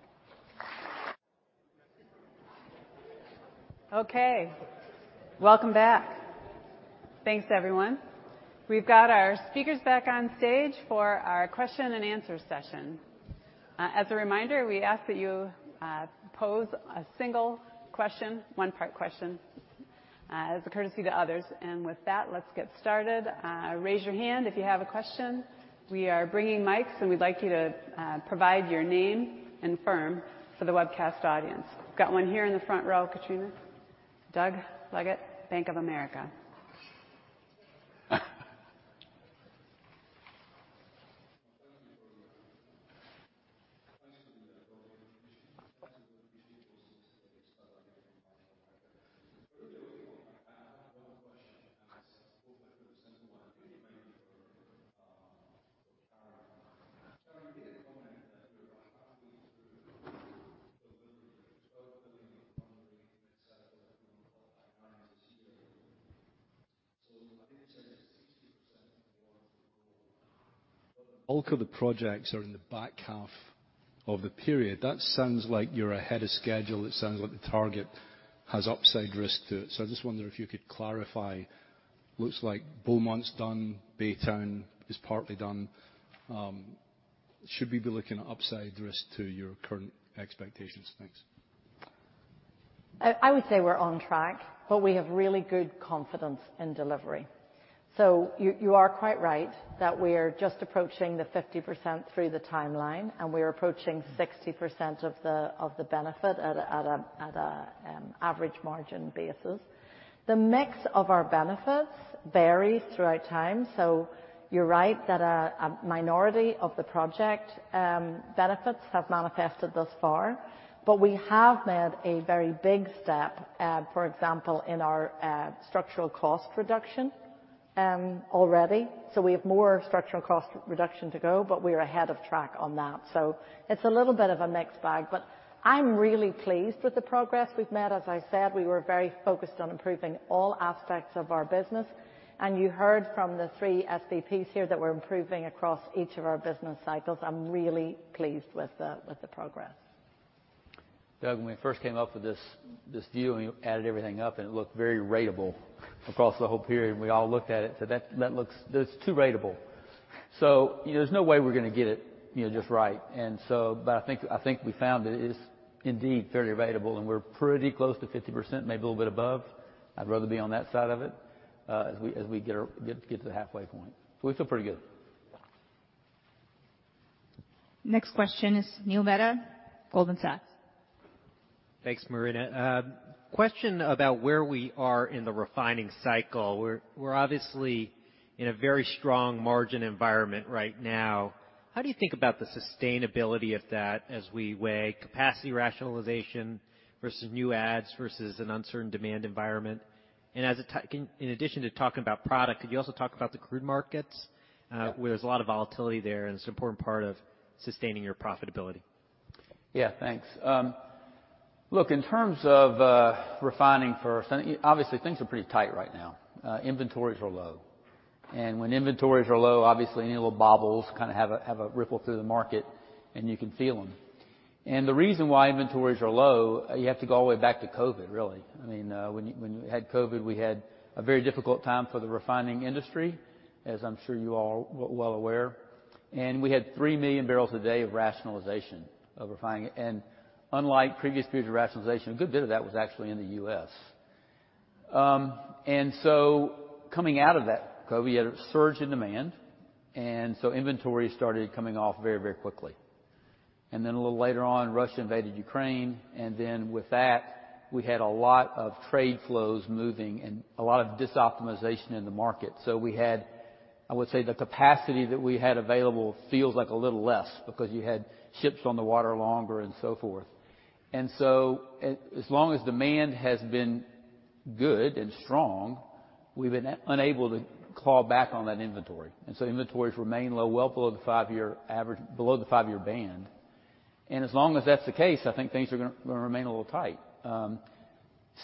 Okay, welcome back. Thanks, everyone. We've got our speakers back on stage for our question and answer session. As a reminder, we ask that you pose a single question, one-part question, as a courtesy to others. With that, let's get started. Raise your hand if you have a question. We are bringing mics, and we'd like you to provide your name and firm for the webcast audience. Got one here in the front row, Katrina. Doug Leggett, Bank of America. ... I have one question, and I hope I heard this similarly, maybe for Karen. Karen, you made a comment that you were about halfway through the building, $12 billion in funding, et cetera, this year. So I think you said it's 60% more. The bulk of the projects are in the back half of the period. That sounds like you're ahead of schedule. It sounds like the target has upside risk to it. So I just wonder if you could clarify. Looks like Beaumont's done, Baytown is partly done. Should we be looking at upside risk to your current expectations? Thanks. I would say we're on track, but we have really good confidence in delivery. So you are quite right that we are just approaching the 50% through the timeline, and we are approaching 60% of the benefit at an average margin basis. The mix of our benefits varies throughout time, so you're right that a minority of the project benefits have manifested thus far. But we have made a very big step, for example, in our structural cost reduction already. So we have more structural cost reduction to go, but we are ahead of track on that. So it's a little bit of a mixed bag, but I'm really pleased with the progress we've made. As I said, we were very focused on improving all aspects of our business, and you heard from the three SVPs here that we're improving across each of our business cycles. I'm really pleased with the progress. Doug, when we first came up with this, this view, and we added everything up, and it looked very ratable across the whole period, and we all looked at it and said, "That, that looks... That's too ratable." So, you know, there's no way we're gonna get it, you know, just right. And so, but I think, I think we found it is indeed fairly ratable, and we're pretty close to 50%, maybe a little bit above. I'd rather be on that side of it as we get to the halfway point. So we feel pretty good. Next question is Neil Mehta, Goldman Sachs. Thanks, Marina. Question about where we are in the refining cycle. We're obviously in a very strong margin environment right now. How do you think about the sustainability of that as we weigh capacity rationalization versus new ads, versus an uncertain demand environment? In addition to talking about product, could you also talk about the crude markets, where there's a lot of volatility there, and it's an important part of sustaining your profitability? Yeah, thanks. Look, in terms of refining first, obviously, things are pretty tight right now. Inventories are low, and when inventories are low, obviously, any little bobbles kinda have a ripple through the market, and you can feel them. And the reason why inventories are low, you have to go all the way back to COVID, really. I mean, when you had COVID, we had a very difficult time for the refining industry, as I'm sure you all well aware. And we had 3 million barrels a day of rationalization of refining. And unlike previous periods of rationalization, a good bit of that was actually in the U.S. And so coming out of that COVID, we had a surge in demand, and so inventories started coming off very, very quickly. Then a little later on, Russia invaded Ukraine, and then with that, we had a lot of trade flows moving and a lot of disoptimization in the market. So we had... I would say, the capacity that we had available feels like a little less because you had ships on the water longer and so forth. And so, as long as demand has been good and strong, we've been unable to claw back on that inventory. And so inventories remain low, well below the five-year average, below the five-year band. And as long as that's the case, I think things are gonna remain a little tight.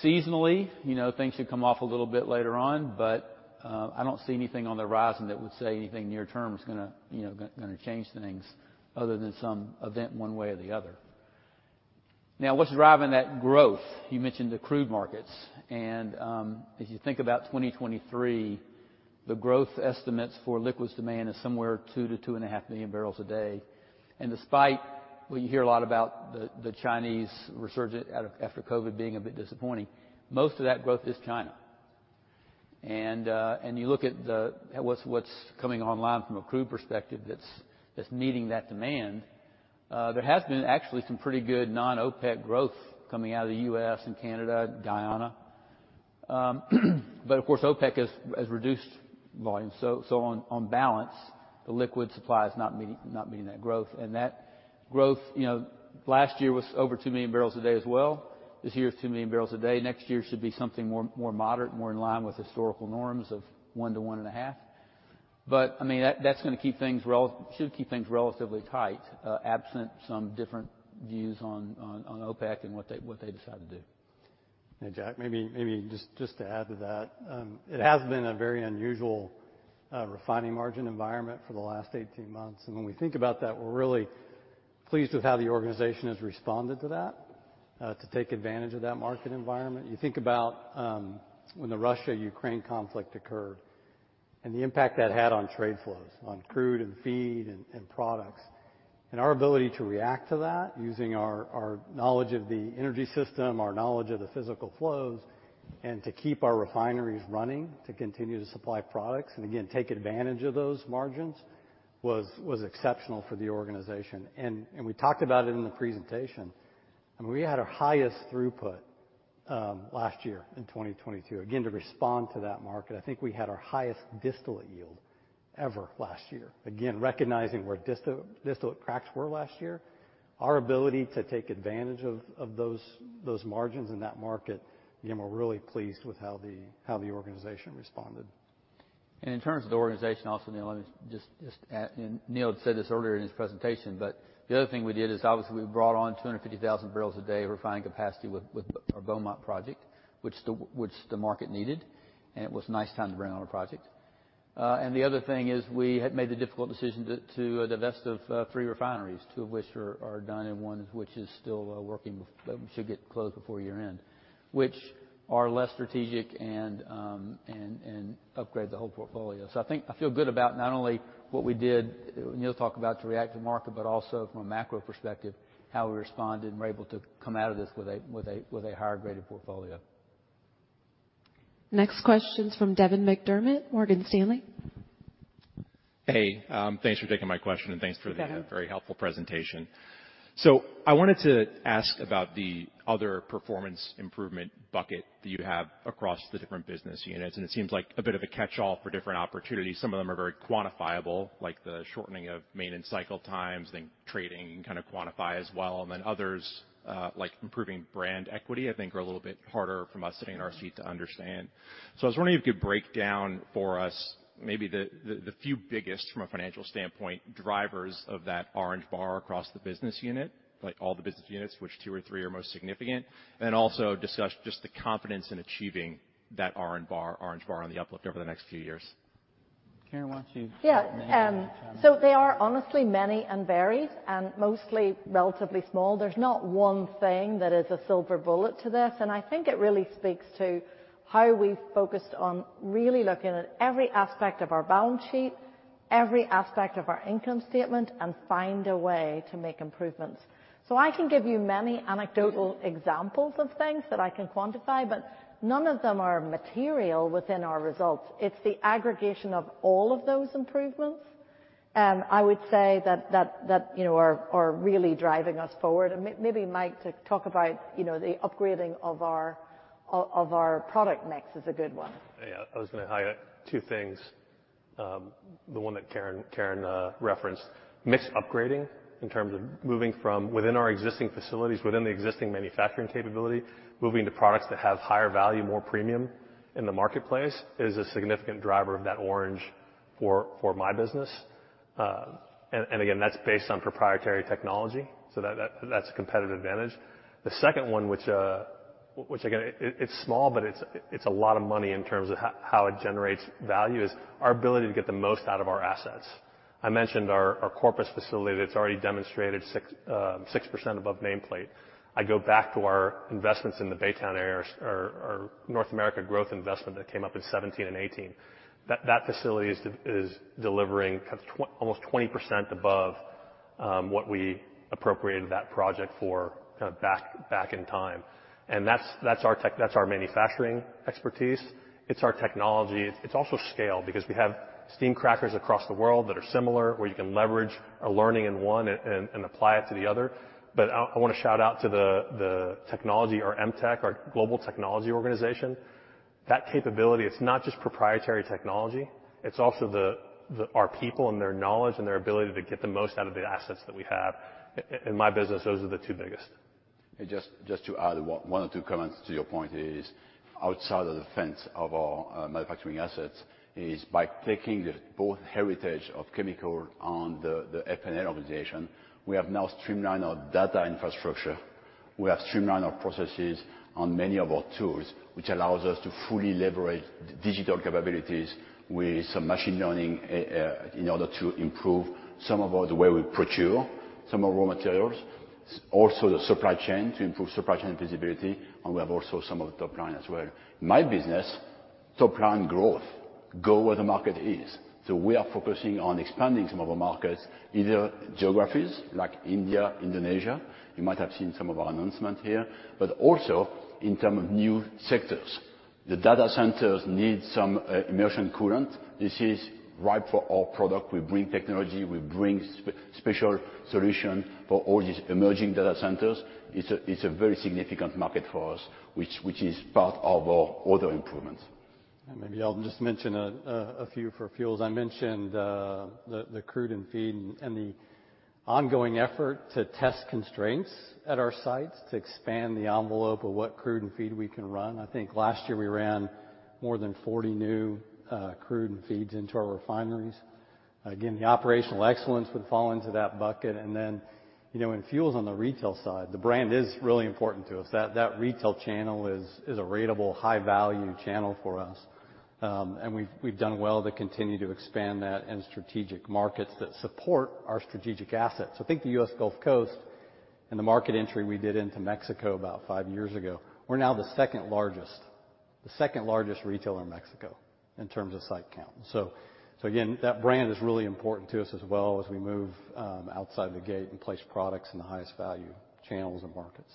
Seasonally, you know, things should come off a little bit later on, but I don't see anything on the horizon that would say anything near term is gonna, you know, gonna change things other than some event, one way or the other. Now, what's driving that growth? You mentioned the crude markets, and, you know, as you think about 2023, the growth estimates for liquids demand is somewhere 2-2.5 million barrels a day. And despite what you hear a lot about the, the Chinese resurgent after COVID being a bit disappointing, most of that growth is China. You look at the, what's, what's coming online from a crude perspective that's, that's meeting that demand, there has been actually some pretty good non-OPEC growth coming out of the US and Canada, Guyana. But of course, OPEC has reduced volume, so on balance, the liquid supply is not meeting that growth. And that growth, you know, last year was over 2 million barrels a day as well. This year is 2 million barrels a day. Next year should be something more moderate, more in line with historical norms of 1-1.5. But, I mean, that's gonna keep things relatively tight, absent some different views on OPEC and what they decide to do. Hey, Jack, maybe just to add to that, it has been a very unusual refining margin environment for the last 18 months. And when we think about that, we're really pleased with how the organization has responded to that, to take advantage of that market environment. You think about when the Russia-Ukraine conflict occurred and the impact that had on trade flows, on crude and feed and products. And our ability to react to that using our knowledge of the energy system, our knowledge of the physical flows, and to keep our refineries running, to continue to supply products, and again, take advantage of those margins, was exceptional for the organization. And we talked about it in the presentation, and we had our highest throughput last year in 2022. Again, to respond to that market, I think we had our highest distillate yield ever last year. Again, recognizing where distillate cracks were last year, our ability to take advantage of those margins in that market, again, we're really pleased with how the organization responded. In terms of the organization also, Neil, let me just add, and Neil had said this earlier in his presentation, but the other thing we did is, obviously, we brought on 250,000 barrels a day refining capacity with our Beaumont project, which the market needed, and it was a nice time to bring on a project. The other thing is we had made the difficult decision to divest of three refineries, two of which are done, and one which is still working, but should get closed before year-end, which are less strategic and upgrade the whole portfolio. I think I feel good about not only what we did, Neil talked about to react to market, but also from a macro perspective, how we responded and were able to come out of this with a higher graded portfolio. Next question is from Devin McDermott, Morgan Stanley. Hey, thanks for taking my question and thanks for the- You got it. Very helpful presentation. So I wanted to ask about the other performance improvement bucket that you have across the different business units, and it seems like a bit of a catch-all for different opportunities. Some of them are very quantifiable, like the shortening of maintenance cycle times and trading, kind of quantify as well. And then others, like improving brand equity, I think are a little bit harder from us sitting in our seats to understand. So I was wondering if you could break down for us maybe the few biggest, from a financial standpoint, drivers of that orange bar across the business unit, like all the business units, which two or three are most significant? And also discuss just the confidence in achieving that orange bar on the uplift over the next few years. Karen, why don't you? Yeah, so they are honestly many and varied and mostly relatively small. There's not one thing that is a silver bullet to this, and I think it really speaks to how we've focused on really looking at every aspect of our balance sheet, every aspect of our income statement, and find a way to make improvements. So I can give you many anecdotal examples of things that I can quantify, but none of them are material within our results. It's the aggregation of all of those improvements, I would say that, you know, really driving us forward. And maybe, Mike, to talk about, you know, the upgrading of our product mix is a good one. Yeah, I was gonna highlight two things. The one that Karen referenced, mix upgrading in terms of moving from within our existing facilities, within the existing manufacturing capability, moving to products that have higher value, more premium in the marketplace, is a significant driver of that orange for my business. Again, that's based on proprietary technology, so that's a competitive advantage. The second one, which again, it's small, but it's a lot of money in terms of how it generates value, is our ability to get the most out of our assets. I mentioned our Corpus facility that's already demonstrated 6% above nameplate. I go back to our investments in the Baytown area, or North America growth investment that came up in 2017 and 2018. That facility is delivering kind of almost 20% above what we appropriated that project for kind of back, back in time. And that's, that's our tech-- that's our manufacturing expertise. It's our technology. It's also scale, because we have steam crackers across the world that are similar, where you can leverage a learning in one and apply it to the other. But I wanna shout out to the technology, our EMTEC, our global technology organization. That capability, it's not just proprietary technology, it's also the - our people and their knowledge and their ability to get the most out of the assets that we have. In my business, those are the two biggest. Just to add one or two comments to your point, outside of the fence of our manufacturing assets, by taking both the heritage of chemical and the F&L organization, we have now streamlined our data infrastructure. We have streamlined our processes on many of our tools, which allows us to fully leverage digital capabilities with some machine learning in order to improve some of the way we procure some of our materials, also the supply chain, to improve supply chain visibility, and we have also some of the top line as well. My business, top line growth, go where the market is. We are focusing on expanding some of our markets, either geographies like India, Indonesia, you might have seen some of our announcement here, but also in term of new sectors. The data centers need some immersion coolant. This is right for our product. We bring technology, we bring special solution for all these emerging data centers. It's a, it's a very significant market for us, which is part of our other improvements. Maybe I'll just mention a few for fuels. I mentioned the crude and feed and the ongoing effort to test constraints at our sites to expand the envelope of what crude and feed we can run. I think last year we ran more than 40 new crude and feeds into our refineries. Again, the operational excellence would fall into that bucket. And then, you know, in fuels on the retail side, the brand is really important to us. That retail channel is a ratable high-value channel for us. And we've done well to continue to expand that in strategic markets that support our strategic assets. So I think the U.S. Gulf Coast and the market entry we did into Mexico about 5 years ago, we're now the second largest, the second-largest retailer in Mexico in terms of site count. So again, that brand is really important to us as well as we move outside the gate and place products in the highest value channels and markets.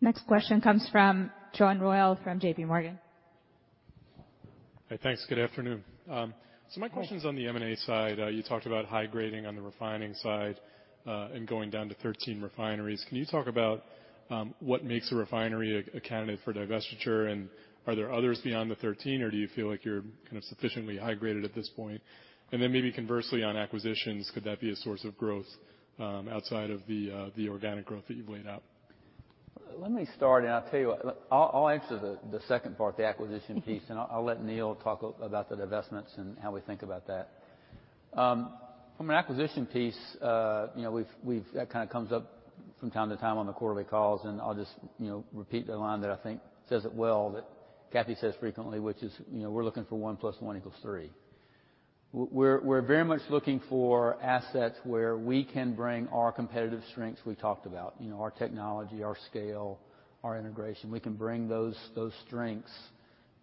Next question comes from John Royal from J.P. Morgan.... Hi, thanks. Good afternoon. So my question's on the M&A side. You talked about high grading on the refining side, and going down to 13 refineries. Can you talk about what makes a refinery a candidate for divestiture, and are there others beyond the 13, or do you feel like you're kind of sufficiently high graded at this point? And then maybe conversely, on acquisitions, could that be a source of growth outside of the organic growth that you've laid out? Let me start, and I'll tell you what. I'll answer the second part, the acquisition piece, and I'll let Neil talk about the divestments and how we think about that. From an acquisition piece, you know, that kind of comes up from time to time on the quarterly calls, and I'll just, you know, repeat the line that I think says it well, that Kathy says frequently, which is, you know, we're looking for one plus one equals three. We're very much looking for assets where we can bring our competitive strengths we talked about. You know, our technology, our scale, our integration. We can bring those strengths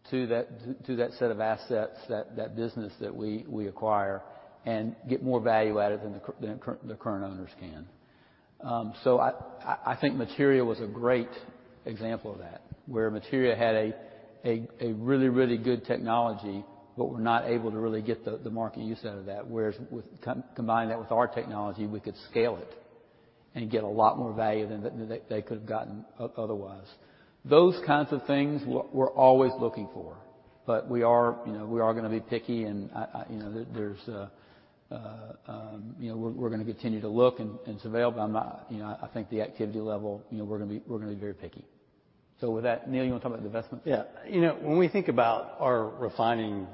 to that set of assets, that business that we acquire, and get more value out of it than the current owners can. I think Materia was a great example of that, where Materia had a really, really good technology, but were not able to really get the market use out of that. Whereas with... combine that with our technology, we could scale it and get a lot more value than they could have gotten otherwise. Those kinds of things, we're always looking for. We are, you know, we are gonna be picky, and I, you know, there's, you know, we're gonna continue to look and surveil, but I'm not, you know, I think the activity level, you know, we're gonna be, we're gonna be very picky. With that, Neal, you want to talk about the divestment? Yeah. You know, when we think about our refining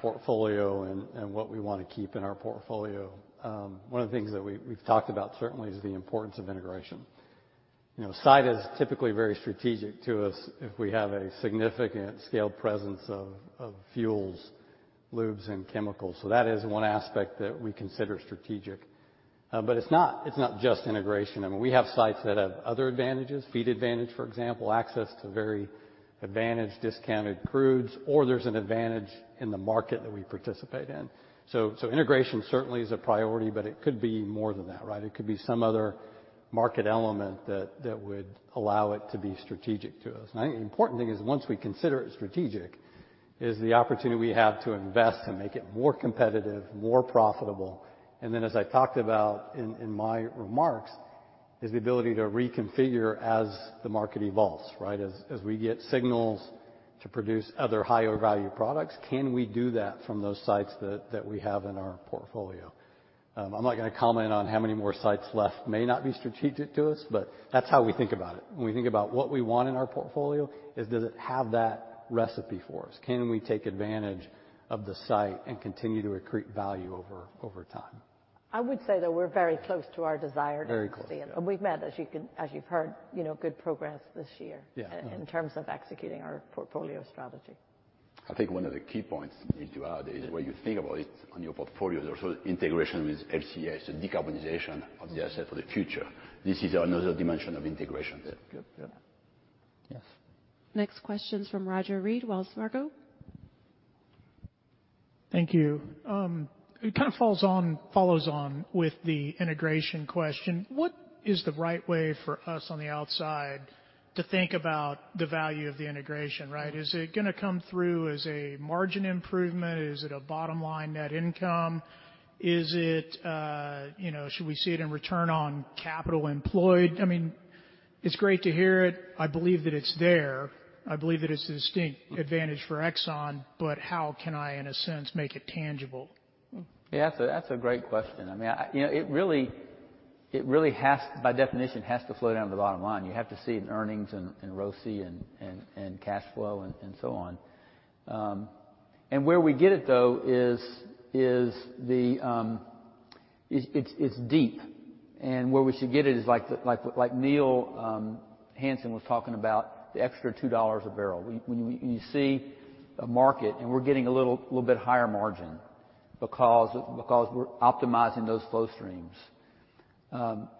portfolio and what we want to keep in our portfolio, one of the things that we've talked about certainly is the importance of integration. You know, site is typically very strategic to us if we have a significant scale presence of fuels, lubes, and chemicals, so that is one aspect that we consider strategic. But it's not just integration. I mean, we have sites that have other advantages, feed advantage, for example, access to very advantaged, discounted crudes, or there's an advantage in the market that we participate in. So integration certainly is a priority, but it could be more than that, right? It could be some other market element that would allow it to be strategic to us. I think the important thing is, once we consider it strategic, is the opportunity we have to invest to make it more competitive, more profitable. Then, as I talked about in my remarks, is the ability to reconfigure as the market evolves, right? As we get signals to produce other higher value products, can we do that from those sites that we have in our portfolio? I'm not gonna comment on how many more sites left may not be strategic to us, but that's how we think about it. When we think about what we want in our portfolio, is, does it have that recipe for us? Can we take advantage of the site and continue to accrete value over time? I would say that we're very close to our desired- Very close. We've made, as you can, as you've heard, you know, good progress this year- Yeah. in terms of executing our portfolio strategy. I think one of the key points, if you add, is when you think about it on your portfolio, there's also integration with LCS and decarbonization of the asset for the future. This is another dimension of integration. Yep. Yep. Yep. Yes. Next question is from Roger Read, Wells Fargo. Thank you. It kind of follows on with the integration question. What is the right way for us on the outside to think about the value of the integration, right? Is it gonna come through as a margin improvement? Is it a bottom-line net income? Is it, you know, should we see it in return on capital employed? I mean, it's great to hear it. I believe that it's there. I believe that it's a distinct advantage for Exxon, but how can I, in a sense, make it tangible? Yeah, that's a great question. I mean, You know, it really has, by definition, has to flow down to the bottom line. You have to see it in earnings and ROCE and cash flow, and so on. And where we get it, though, is it's deep. And where we should get it is like the, like, like Neil Hansen was talking about, the extra $2 a barrel. When you see a market, and we're getting a little bit higher margin because we're optimizing those flow streams.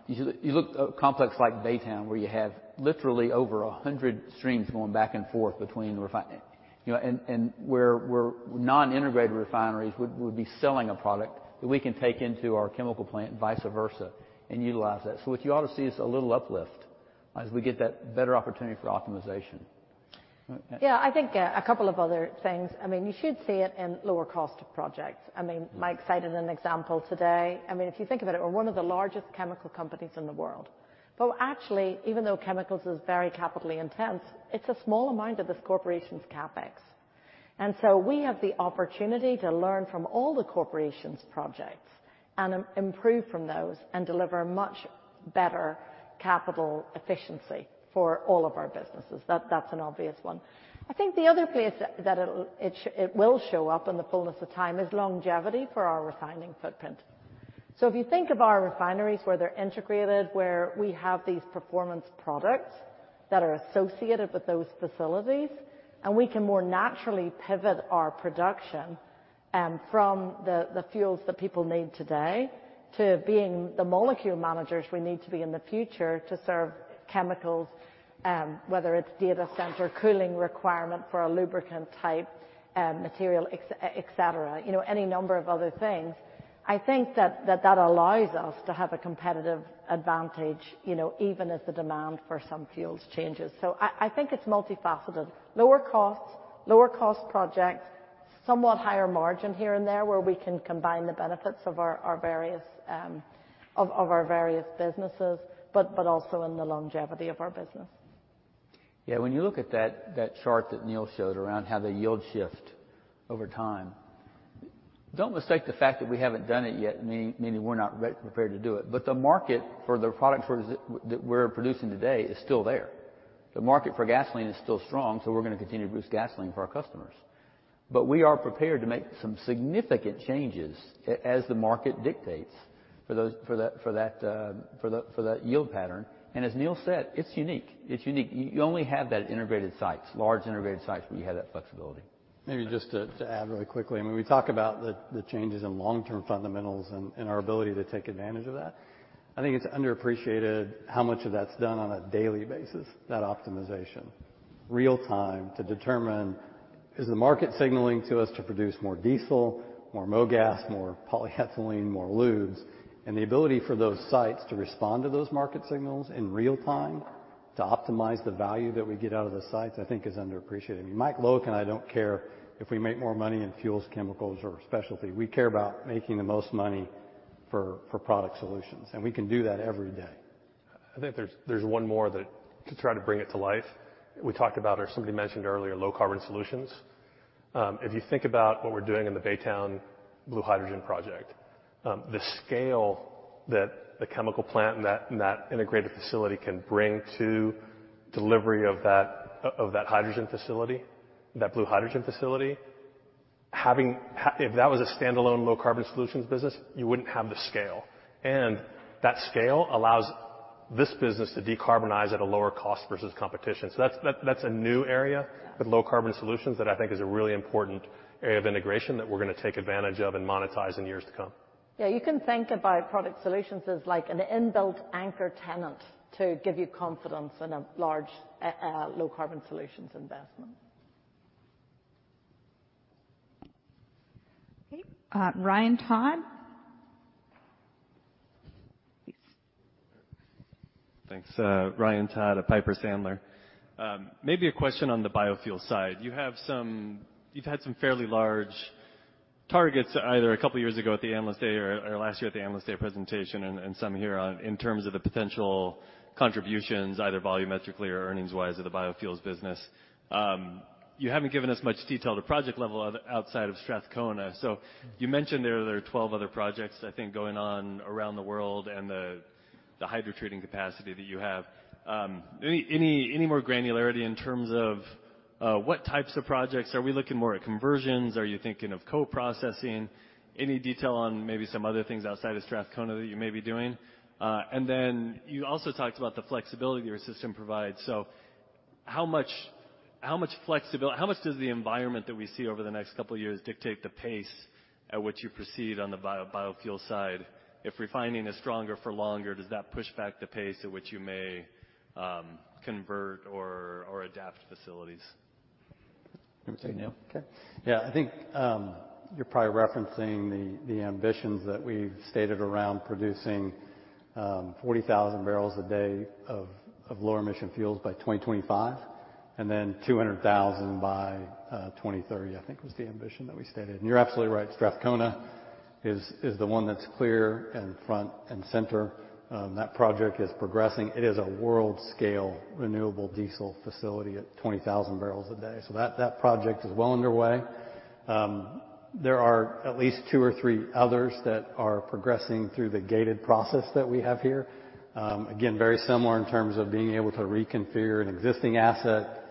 You see, you look at a complex like Baytown, where you have literally over 100 streams going back and forth between refinery. You know, and where non-integrated refineries would be selling a product that we can take into our chemical plant, vice versa, and utilize that. So what you ought to see is a little uplift as we get that better opportunity for optimization. Yeah, I think a couple of other things. I mean, you should see it in lower cost of projects. I mean, Mike cited an example today. I mean, if you think about it, we're one of the largest chemical companies in the world. Actually, even though chemicals is very capitally intense, it's a small amount of this corporation's CapEx. We have the opportunity to learn from all the corporation's projects and improve from those, and deliver much better capital efficiency for all of our businesses. That's an obvious one. I think the other place that it'll show up in the fullness of time is longevity for our refining footprint. So if you think of our refineries, where they're integrated, where we have these performance products that are associated with those facilities, and we can more naturally pivot our production from the fuels that people need today to being the molecule managers we need to be in the future to serve chemicals, whether it's data center cooling requirement for a lubricant-type material, et cetera, you know, any number of other things. I think that allows us to have a competitive advantage, you know, even as the demand for some fuels changes. So I think it's multifaceted. Lower costs, lower cost projects, somewhat higher margin here and there, where we can combine the benefits of our various businesses, but also in the longevity of our business. Yeah, when you look at that chart that Neil showed around how the yields shift over time, don't mistake the fact that we haven't done it yet, meaning we're not re-prepared to do it. But the market for the products for that that we're producing today is still there. The market for gasoline is still strong, so we're gonna continue to produce gasoline for our customers. But we are prepared to make some significant changes as the market dictates for those, for that yield pattern. And as Neil said, it's unique. It's unique. You only have that at integrated sites, large integrated sites, where you have that flexibility. Maybe just to add really quickly. I mean, we talk about the changes in long-term fundamentals and our ability to take advantage of that. I think it's underappreciated how much of that's done on a daily basis, that optimization. Real time, to determine, is the market signaling to us to produce more diesel, more mogas, more polyethylene, more lubes? The ability for those sites to respond to those market signals in real time, to optimize the value that we get out of the sites, I think is underappreciated. Mike, look, I don't care if we make more money in fuels, chemicals, or specialty. We care about making the most money for product solutions, and we can do that every day. I think there's one more to try to bring it to life. We talked about, or somebody mentioned earlier, low carbon solutions. If you think about what we're doing in the Baytown blue hydrogen project, the scale that the chemical plant in that, in that integrated facility can bring to delivery of that, of that hydrogen facility, that blue hydrogen facility. If that was a standalone low carbon solutions business, you wouldn't have the scale. And that scale allows this business to decarbonize at a lower cost versus competition. So that's a new area with low carbon solutions that I think is a really important area of integration that we're gonna take advantage of and monetize in years to come. Yeah, you can think about Product Solutions as like an inbuilt anchor tenant to give you confidence in a large, Low Carbon Solutions investment. Okay, Ryan Todd? Please. Thanks. Ryan Todd of Piper Sandler. Maybe a question on the biofuel side. You have some—you've had some fairly large targets, either a couple of years ago at the Analyst Day or last year at the Analyst Day presentation, and some here on in terms of the potential contributions, either volumetrically or earnings-wise, of the biofuels business. You haven't given us much detail at the project level outside of Strathcona. So you mentioned there are 12 other projects, I think, going on around the world and the hydrotreating capacity that you have. Any more granularity in terms of what types of projects? Are we looking more at conversions? Are you thinking of co-processing? Any detail on maybe some other things outside of Strathcona that you may be doing? And then you also talked about the flexibility your system provides. So how much does the environment that we see over the next couple of years dictate the pace at which you proceed on the biofuel side? If refining is stronger for longer, does that push back the pace at which you may convert or adapt facilities? You want to say, Neil? Okay. Yeah, I think you're probably referencing the ambitions that we've stated around producing 40,000 barrels a day of lower emission fuels by 2025, and then 200,000 by 2030, I think was the ambition that we stated. You're absolutely right, Strathcona is the one that's clear and front and center. That project is progressing. It is a world-scale renewable diesel facility at 20,000 barrels a day. That project is well underway. There are at least two or three others that are progressing through the gated process that we have here. Again, very similar in terms of being able to reconfigure an existing asset,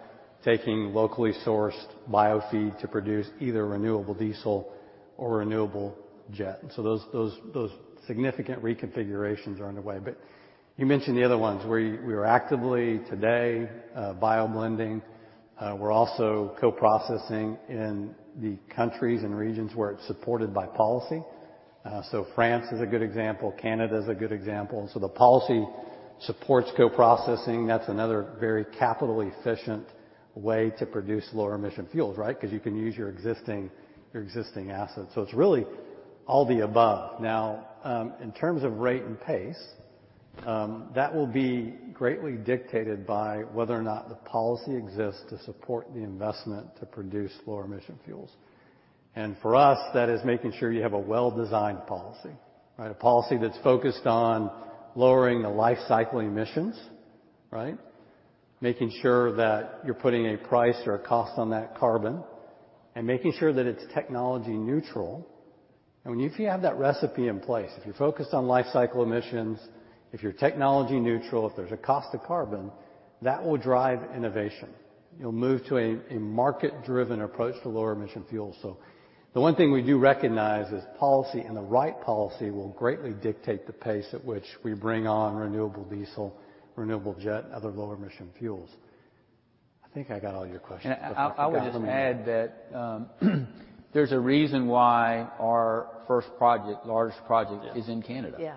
taking locally sourced biofeed to produce either renewable diesel or renewable jet. Those significant reconfigurations are underway. But you mentioned the other ones, where we are actively today bio-blending. We're also co-processing in the countries and regions where it's supported by policy. So France is a good example, Canada is a good example. So the policy supports co-processing. That's another very capital efficient way to produce lower emission fuels, right? Because you can use your existing, your existing assets. So it's really all the above. Now, in terms of rate and pace, that will be greatly dictated by whether or not the policy exists to support the investment to produce lower emission fuels. And for us, that is making sure you have a well-designed policy, right? A policy that's focused on lowering the lifecycle emissions, right? Making sure that you're putting a price or a cost on that carbon, and making sure that it's technology neutral. If you have that recipe in place, if you're focused on lifecycle emissions, if you're technology neutral, if there's a cost to carbon, that will drive innovation. You'll move to a market-driven approach to lower emission fuels. So the one thing we do recognize is policy, and the right policy, will greatly dictate the pace at which we bring on renewable diesel, renewable jet, and other lower emission fuels. I think I got all your questions. I would just add that, there's a reason why our first project, large project- Yes. - is in Canada. Yeah.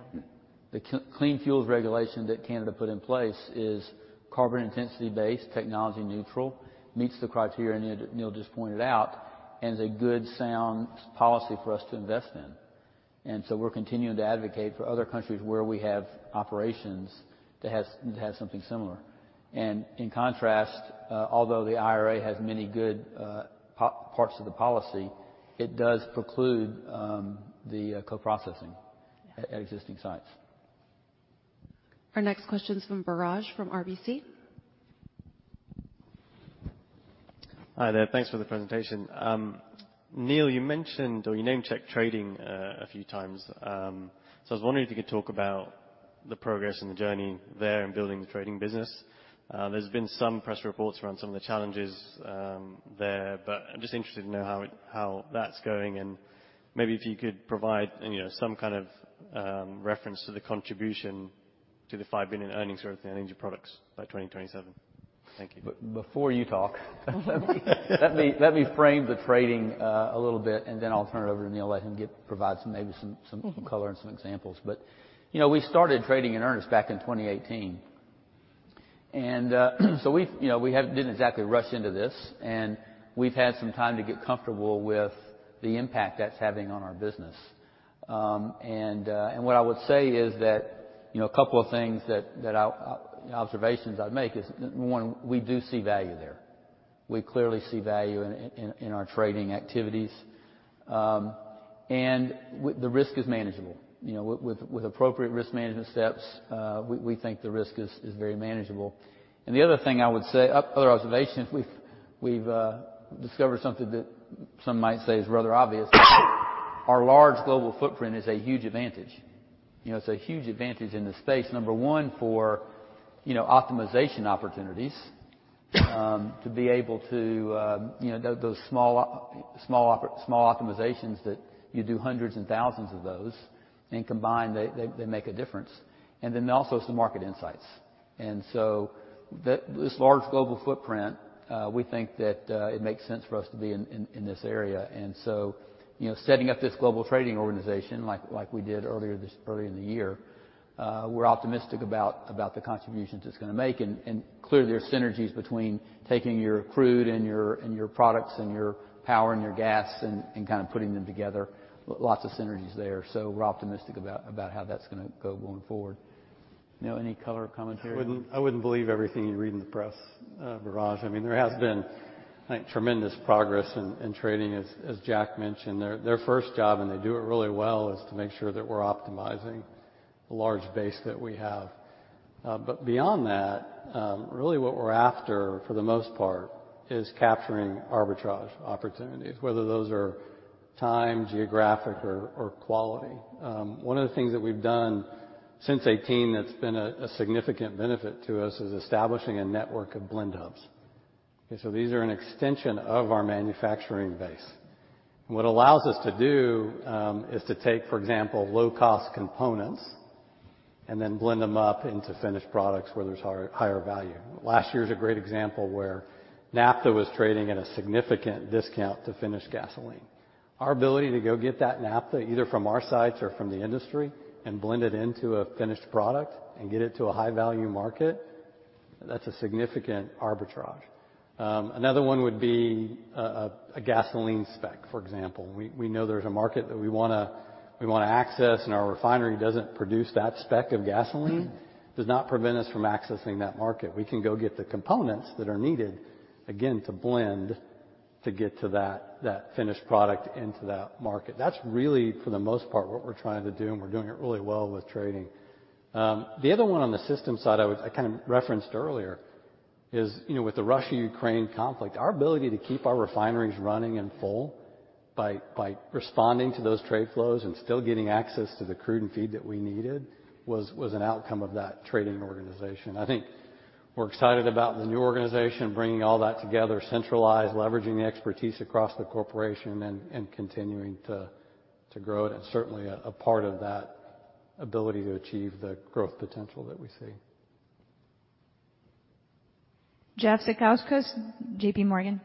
The Clean Fuel Regulations that Canada put in place is carbon intensity-based, technology neutral, meets the criteria Neil, Neil just pointed out, and is a good, sound policy for us to invest in. And so we're continuing to advocate for other countries where we have operations to have, to have something similar. And in contrast, although the IRA has many good parts of the policy, it does preclude the co-processing at existing sites. Our next question is from Biraj, from RBC. Hi there. Thanks for the presentation. Neil, you mentioned or you name-checked trading a few times. So I was wondering if you could talk about the progress and the journey there in building the trading business. There's been some press reports around some of the challenges there, but I'm just interested to know how that's going, and maybe if you could provide, you know, some kind of reference to the contribution to the $5 billion earnings or energy products by 2027. Thank you. Before you talk, let me frame the trading a little bit, and then I'll turn it over to Neil, let him provide some color and some examples. But, you know, we started trading in earnest back in 2018. And, so we've, you know, didn't exactly rush into this, and we've had some time to get comfortable with the impact that's having on our business. And, what I would say is that, you know, a couple of things observations I'd make is, one, we do see value there. We clearly see value in our trading activities. And the risk is manageable. You know, with appropriate risk management steps, we think the risk is very manageable. And the other thing I would say, other observation, we've discovered something that some might say is rather obvious. Our large global footprint is a huge advantage. You know, it's a huge advantage in the space, number one, for, you know, optimization opportunities, to be able to, you know, those small optimizations that you do hundreds and thousands of those, and combined, they make a difference, and then also some market insights. And so this large global footprint, we think that it makes sense for us to be in this area. And so, you know, setting up this Global Trading organization like we did earlier in the year, we're optimistic about the contributions it's gonna make. Clearly, there are synergies between taking your crude and your products, and your power, and your gas and kind of putting them together. Lots of synergies there. We're optimistic about how that's gonna go going forward. Neil, any color or commentary? I wouldn't believe everything you read in the press, Biraj. I mean, there has been, I think, tremendous progress in trading, as Jack mentioned. Their first job, and they do it really well, is to make sure that we're optimizing the large base that we have. But beyond that, really what we're after, for the most part, is capturing arbitrage opportunities, whether those are time, geographic, or quality. One of the things that we've done since 2018 that's been a significant benefit to us, is establishing a network of blend hubs. Okay, so these are an extension of our manufacturing base. And what allows us to do is to take, for example, low-cost components and then blend them up into finished products where there's higher value. Last year's a great example where naphtha was trading at a significant discount to finished gasoline. Our ability to go get that naphtha, either from our sites or from the industry, and blend it into a finished product and get it to a high-value market, that's a significant arbitrage. Another one would be a gasoline spec, for example. We know there's a market that we wanna access, and our refinery doesn't produce that spec of gasoline, does not prevent us from accessing that market. We can go get the components that are needed, again, to blend, to get to that finished product into that market. That's really, for the most part, what we're trying to do, and we're doing it really well with trading. The other one on the system side, I would, I kind of referenced earlier is, you know, with the Russia-Ukraine conflict, our ability to keep our refineries running and full by responding to those trade flows and still getting access to the crude and feed that we needed, was an outcome of that trading organization. I think we're excited about the new organization, bringing all that together, centralized, leveraging the expertise across the corporation and continuing to grow it, and certainly a part of that ability to achieve the growth potential that we see. Jeff Zekauskas, J.P. Morgan.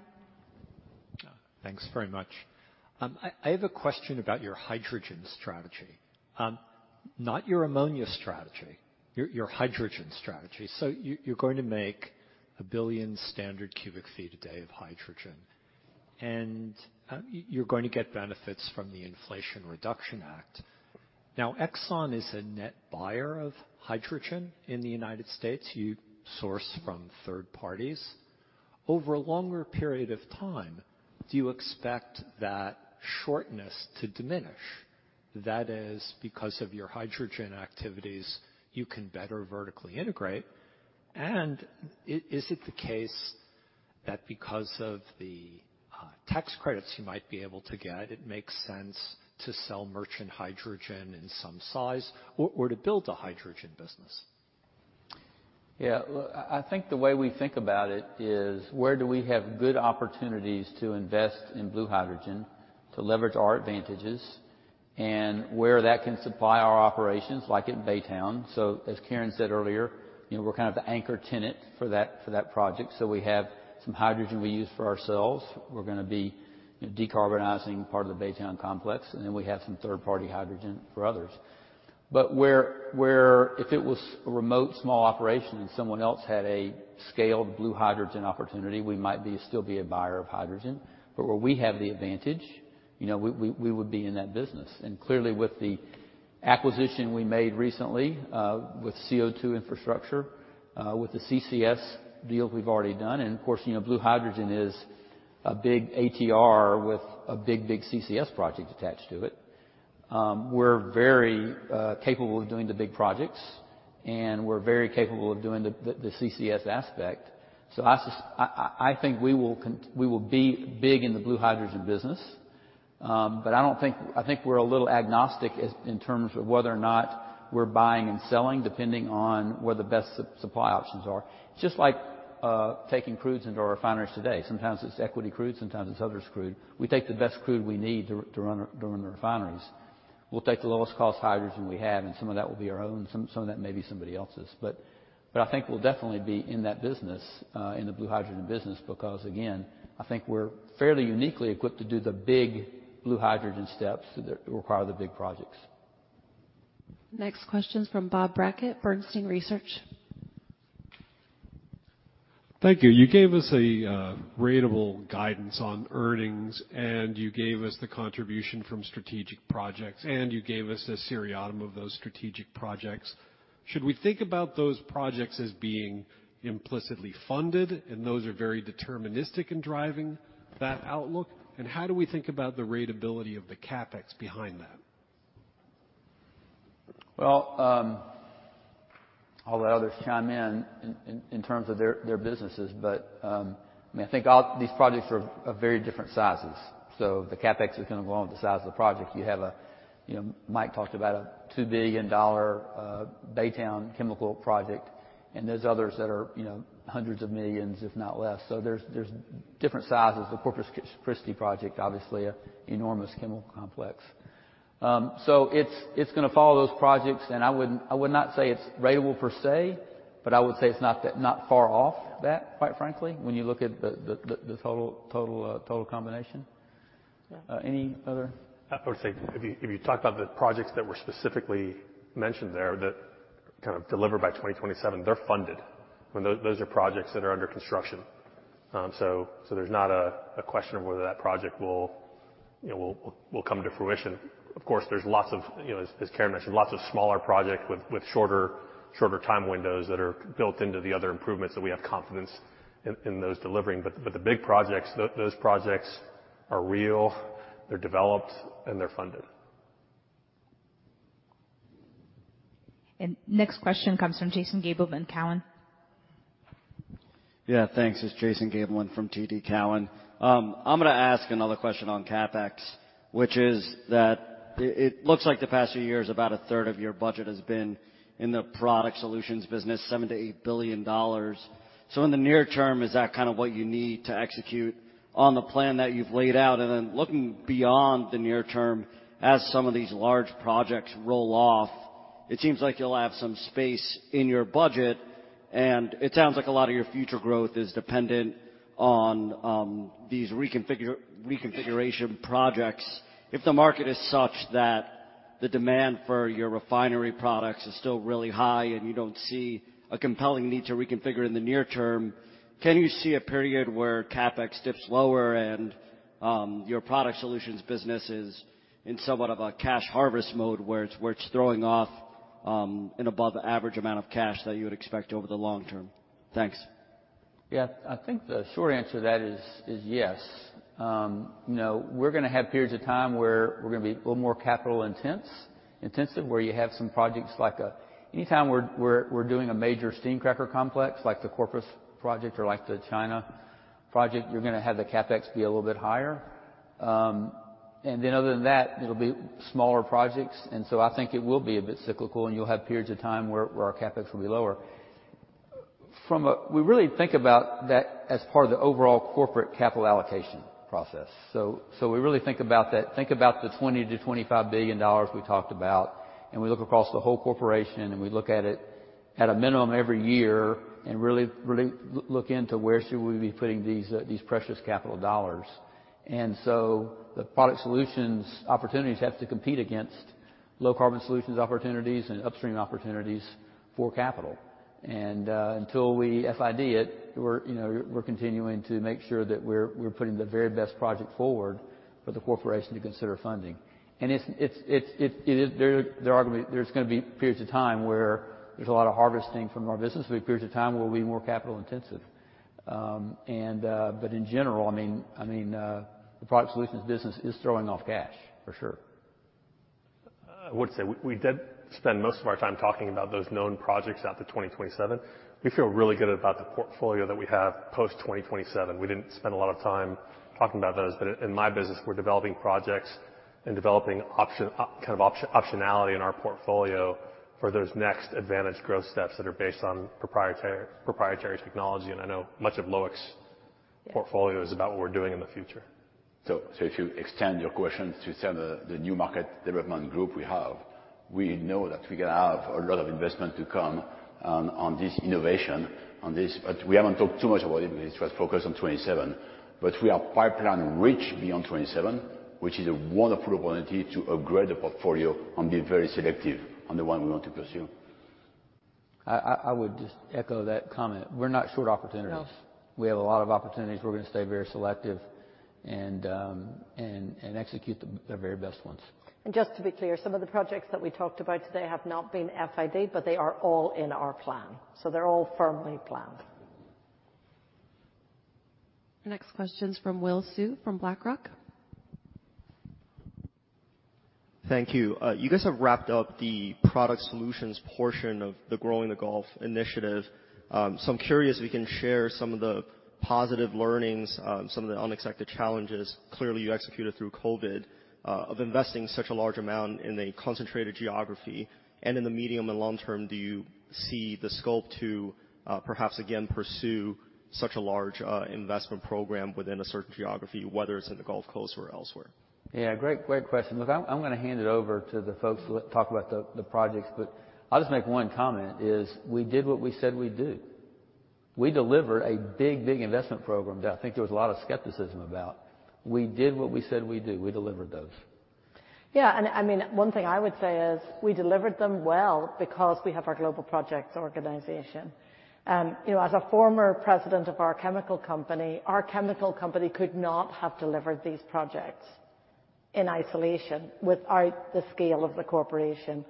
Thanks very much. I have a question about your hydrogen strategy. Not your ammonia strategy, your hydrogen strategy. So you, you're going to make 1 billion standard cubic feet a day of hydrogen, and you're going to get benefits from the Inflation Reduction Act. Now, Exxon is a net buyer of hydrogen in the United States. You source from third parties. Over a longer period of time, do you expect that shortness to diminish? That is, because of your hydrogen activities, you can better vertically integrate, and is it the case that because of the tax credits you might be able to get, it makes sense to sell merchant hydrogen in some size or to build a hydrogen business? Yeah, look, I think the way we think about it is, where do we have good opportunities to invest in blue hydrogen to leverage our advantages, and where that can supply our operations, like in Baytown. So as Karen said earlier, you know, we're kind of the anchor tenant for that project, so we have some hydrogen we use for ourselves. We're gonna be, you know, decarbonizing part of the Baytown complex, and then we have some third-party hydrogen for others.... But where if it was a remote small operation, and someone else had a scaled blue hydrogen opportunity, we might still be a buyer of hydrogen. But where we have the advantage, you know, we would be in that business. Clearly, with the acquisition we made recently, with CO2 infrastructure, with the CCS deals we've already done, and of course, you know, blue hydrogen is a big ATR with a big, big CCS project attached to it. We're very capable of doing the big projects, and we're very capable of doing the CCS aspect. So I think we will be big in the blue hydrogen business. But I don't think, I think we're a little agnostic as in terms of whether or not we're buying and selling, depending on where the best supply options are. Just like taking crudes into our refineries today. Sometimes it's equity crude, sometimes it's others' crude. We take the best crude we need to run the refineries. We'll take the lowest cost hydrogen we have, and some of that will be our own, some, some of that may be somebody else's. But, but I think we'll definitely be in that business, in the blue hydrogen business, because, again, I think we're fairly uniquely equipped to do the big blue hydrogen steps that require the big projects. Next question is from Bob Brackett, Bernstein Research. Thank you. You gave us a ratable guidance on earnings, and you gave us the contribution from strategic projects, and you gave us a seriatim of those strategic projects. Should we think about those projects as being implicitly funded, and those are very deterministic in driving that outlook? And how do we think about the ratability of the CapEx behind that? Well, all the others chime in in terms of their businesses, but I mean, I think all these projects are of very different sizes, so the CapEx is gonna go on with the size of the project. You have a... You know, Mike talked about a $2 billion Baytown chemical project, and there's others that are, you know, hundreds of millions, if not less. So there's different sizes. The Corpus Christi project, obviously, a enormous chemical complex. So it's gonna follow those projects, and I wouldn't- I would not say it's ratable per se, but I would say it's not that, not far off that, quite frankly, when you look at the total combination. Any other? I would say, if you talk about the projects that were specifically mentioned there, that kind of deliver by 2027, they're funded. When those are projects that are under construction. So there's not a question of whether that project will, you know, will come to fruition. Of course, there's lots of, you know, as Karen mentioned, lots of smaller projects with shorter time windows that are built into the other improvements that we have confidence in those delivering. But the big projects, those projects are real, they're developed, and they're funded. Next question comes from Jason Gabelman of Cowen. Yeah, thanks. It's Jason Gabelman from TD Cowen. I'm gonna ask another question on CapEx, which is that it looks like the past few years, about a third of your budget has been in the product solutions business, $7 billion-$8 billion. So in the near term, is that kind of what you need to execute on the plan that you've laid out? And then looking beyond the near term, as some of these large projects roll off, it seems like you'll have some space in your budget, and it sounds like a lot of your future growth is dependent on these reconfiguration projects. If the market is such that the demand for your refinery products is still really high, and you don't see a compelling need to reconfigure in the near term, can you see a period where CapEx dips lower, and your product solutions business is in somewhat of a cash harvest mode, where it's throwing off an above average amount of cash that you would expect over the long term? Thanks. Yeah. I think the short answer to that is, is yes. You know, we're gonna have periods of time where we're gonna be a little more capital intense, intensive, where you have some projects like anytime we're doing a major steam cracker complex, like the Corpus project or like the China project, you're gonna have the CapEx be a little bit higher. And then other than that, it'll be smaller projects. And so I think it will be a bit cyclical, and you'll have periods of time where our CapEx will be lower. From a-- we really think about that as part of the overall corporate capital allocation process. So, so we really think about that, think about the $20-$25 billion we talked about, and we look across the whole corporation, and we look at it at a minimum every year and really, really look into where should we be putting these, these precious capital dollars. And so the Product Solutions opportunities have to compete against Low-Carbon Solutions opportunities and Upstream opportunities for capital. And until we FID it, we're, you know, we're continuing to make sure that we're putting the very best project forward for the corporation to consider funding. And it is. There are gonna be periods of time where there's a lot of harvesting from our business. There'll be periods of time where we'll be more capital intensive. In general, I mean, I mean, the product solutions business is throwing off cash, for sure. I would say we did spend most of our time talking about those known projects out to 2027. We feel really good about the portfolio that we have post-2027. We didn't spend a lot of time talking about those, but in my business, we're developing projects and developing option, kind of optionality in our portfolio for those next advantage growth steps that are based on proprietary technology, and I know much of Loic's- Yeah. Portfolio is about what we're doing in the future. So, if you extend your question to the new market development group we have, we know that we're gonna have a lot of investment to come on this innovation. But we haven't talked too much about it because it's just focused on 2027. But we are pipeline rich beyond 2027, which is a wonderful opportunity to upgrade the portfolio and be very selective on the one we want to pursue.... I would just echo that comment. We're not short opportunities. No. We have a lot of opportunities. We're gonna stay very selective and execute the very best ones. Just to be clear, some of the projects that we talked about today have not been FIDed, but they are all in our plan, so they're all firmly planned. The next question's from Will Su, from BlackRock. Thank you. You guys have wrapped up the product solutions portion of the Growing the Gulf initiative. So I'm curious if you can share some of the positive learnings, some of the unexpected challenges, clearly, you executed through COVID, of investing such a large amount in a concentrated geography. And in the medium and long term, do you see the scope to, perhaps again pursue such a large, investment program within a certain geography, whether it's in the Gulf Coast or elsewhere? Yeah, great, great question. Look, I'm gonna hand it over to the folks to talk about the projects, but I'll just make one comment, is we did what we said we'd do. We delivered a big, big investment program that I think there was a lot of skepticism about. We did what we said we'd do. We delivered those. Yeah, and I mean, one thing I would say is we delivered them well because we have our global projects organization. You know, as a former president of our chemical company, our chemical company could not have delivered these projects in isolation without the scale of the corporation.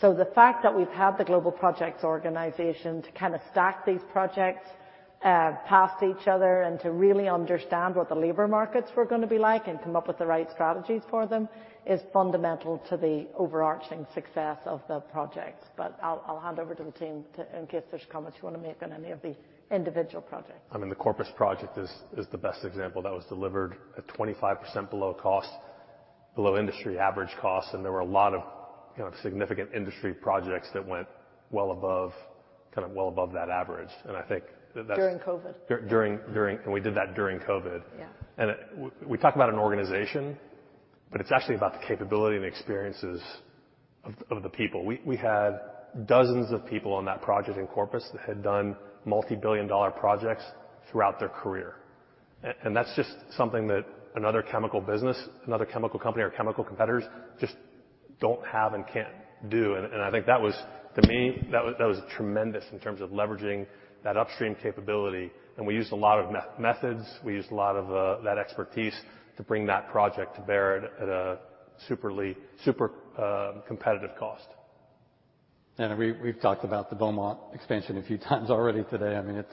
So the fact that we've had the global projects organization to kinda stack these projects past each other, and to really understand what the labor markets were gonna be like, and come up with the right strategies for them, is fundamental to the overarching success of the projects. But I'll hand over to the team in case there's comments you wanna make on any of the individual projects. I mean, the Corpus project is the best example. That was delivered at 25% below cost, below industry average cost, and there were a lot of, kind of, significant industry projects that went well above, kind of, well above that average. And I think that that's- During COVID. During, during... we did that during COVID. Yeah. We talk about an organization, but it's actually about the capability and the experiences of the people. We had dozens of people on that project in Corpus that had done multi-billion dollar projects throughout their career. That's just something that another chemical business, another chemical company, or chemical competitors just don't have and can't do. I think that was, to me, that was tremendous in terms of leveraging that upstream capability. We used a lot of methods, we used a lot of that expertise to bring that project to bear at a super, super competitive cost. We've talked about the Beaumont expansion a few times already today. I mean, it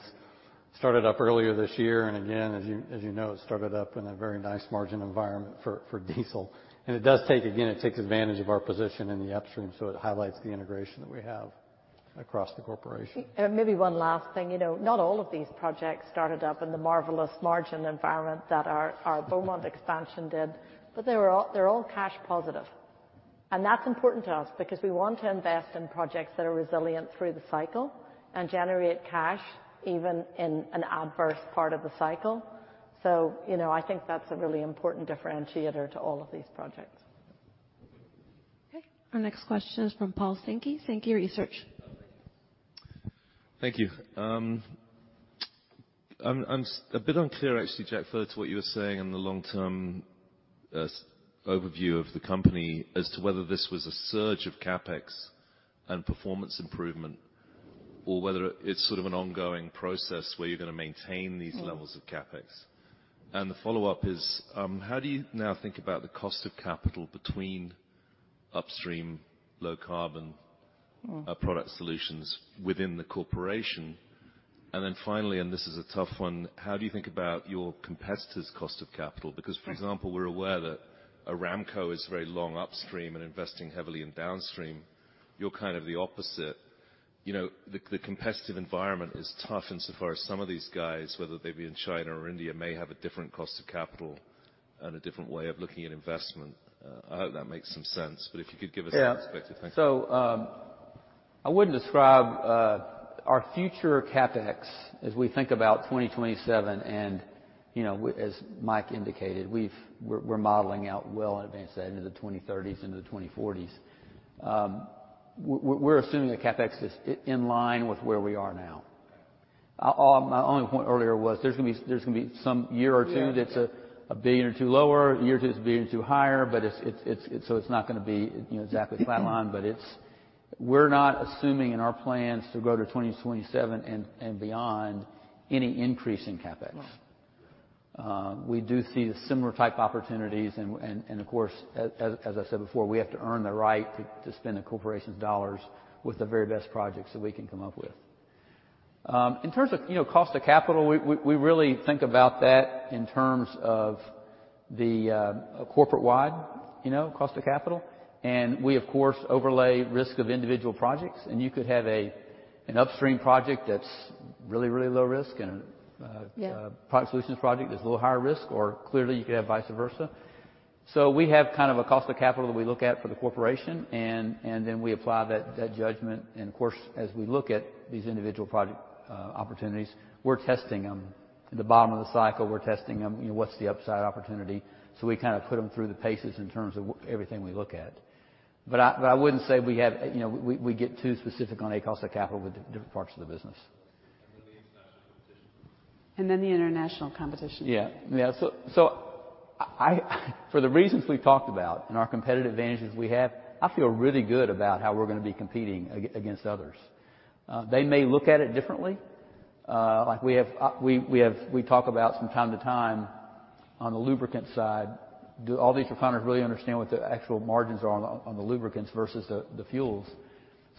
started up earlier this year, and again, as you know, it started up in a very nice margin environment for diesel. It does take, again, it takes advantage of our position in the upstream, so it highlights the integration that we have across the corporation. Maybe one last thing. You know, not all of these projects started up in the marvelous margin environment that our, our Beaumont expansion did, but they're all cash positive. And that's important to us because we want to invest in projects that are resilient through the cycle and generate cash even in an adverse part of the cycle. So, you know, I think that's a really important differentiator to all of these projects. Okay. Our next question is from Paul Sankey, Sankey Research. Thank you. I'm a bit unclear, actually, Jack, further to what you were saying in the long-term overview of the company, as to whether this was a surge of CapEx and performance improvement, or whether it's sort of an ongoing process where you're gonna maintain these levels of CapEx? Mm. The follow-up is, how do you now think about the cost of capital between upstream, Low Carbon- Mm... product solutions within the corporation? And then finally, and this is a tough one: How do you think about your competitors' cost of capital? Mm. Because, for example, we're aware that Aramco is very long upstream and investing heavily in downstream. You're kind of the opposite. You know, the competitive environment is tough insofar as some of these guys, whether they be in China or India, may have a different cost of capital and a different way of looking at investment. I hope that makes some sense, but if you could give us a perspective. Yeah. Thank you. I would describe our future CapEx as we think about 2027, and, you know, as Mike indicated, we're modeling out well in advance of that, into the 2030s and the 2040s. We're assuming the CapEx is in line with where we are now. My only point earlier was, there's gonna be some year or two- Yeah... that's $1 billion or $2 billion lower, 1 year or 2 years that's $1 billion or $2 billion higher, but it's so it's not gonna be, you know, exactly flat line. Mm. We're not assuming in our plans to go to 2027 and, and beyond, any increase in CapEx. No. We do see the similar type opportunities, and of course, as I said before, we have to earn the right to spend the corporation's dollars with the very best projects that we can come up with. In terms of, you know, cost of capital, we really think about that in terms of the corporate-wide, you know, cost of capital. And we, of course, overlay risk of individual projects, and you could have an upstream project that's really, really low risk and Yeah... product solutions project that's a little higher risk, or clearly, you could have vice versa. We have kind of a cost of capital that we look at for the corporation, and then we apply that judgment. Of course, as we look at these individual project opportunities, we're testing them. At the bottom of the cycle, we're testing them. You know, what's the upside opportunity? We kind of put them through the paces in terms of everything we look at. I wouldn't say we have, you know, we get too specific on a cost of capital with the different parts of the business. ... And then the international competition? Yeah. Yeah, so I, for the reasons we've talked about and our competitive advantages we have, I feel really good about how we're gonna be competing against others. They may look at it differently. Like we talk about from time to time on the lubricants side, do all these refiners really understand what the actual margins are on the lubricants versus the fuels?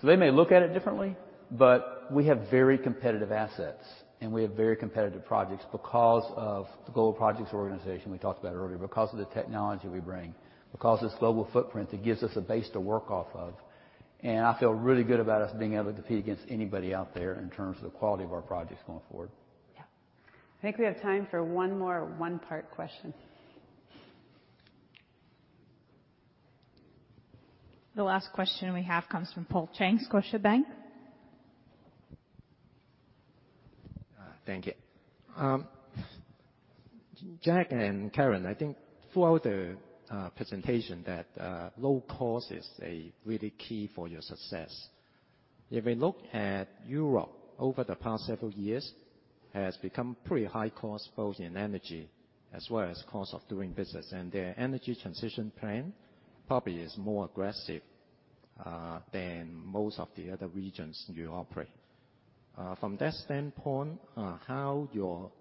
So they may look at it differently, but we have very competitive assets, and we have very competitive projects because of the global projects organization we talked about earlier, because of the technology we bring, because this global footprint, it gives us a base to work off of. And I feel really good about us being able to compete against anybody out there in terms of the quality of our projects going forward. Yeah. I think we have time for one more one-part question. The last question we have comes from Paul Cheng, Scotiabank. Thank you. Jack and Karen, I think throughout the presentation, that low cost is a really key for your success. If we look at Europe over the past several years, has become pretty high cost, both in energy as well as cost of doing business, and their energy transition plan probably is more aggressive than most of the other regions you operate. From that standpoint, how your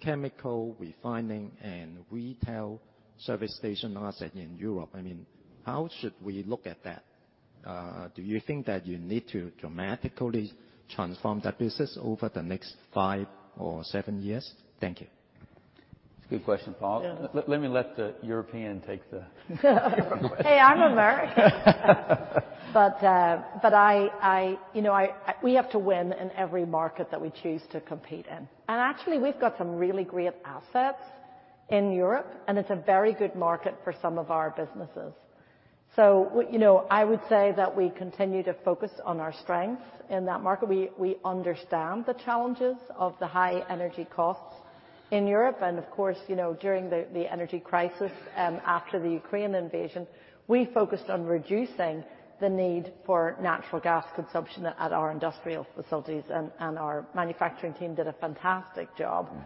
chemical refining and retail service station asset in Europe, I mean, how should we look at that? Do you think that you need to dramatically transform that business over the next five or seven years? Thank you. It's a good question, Paul. Yeah. Let me let the European take the- Hey, I'm American. But I, I, you know, I- we have to win in every market that we choose to compete in. Actually, we've got some really great assets in Europe, and it's a very good market for some of our businesses. You know, I would say that we continue to focus on our strengths in that market. We, we understand the challenges of the high energy costs in Europe, and of course, you know, during the energy crisis, after the Ukraine invasion, we focused on reducing the need for natural gas consumption at our industrial facilities, and our manufacturing team did a fantastic job- Mm...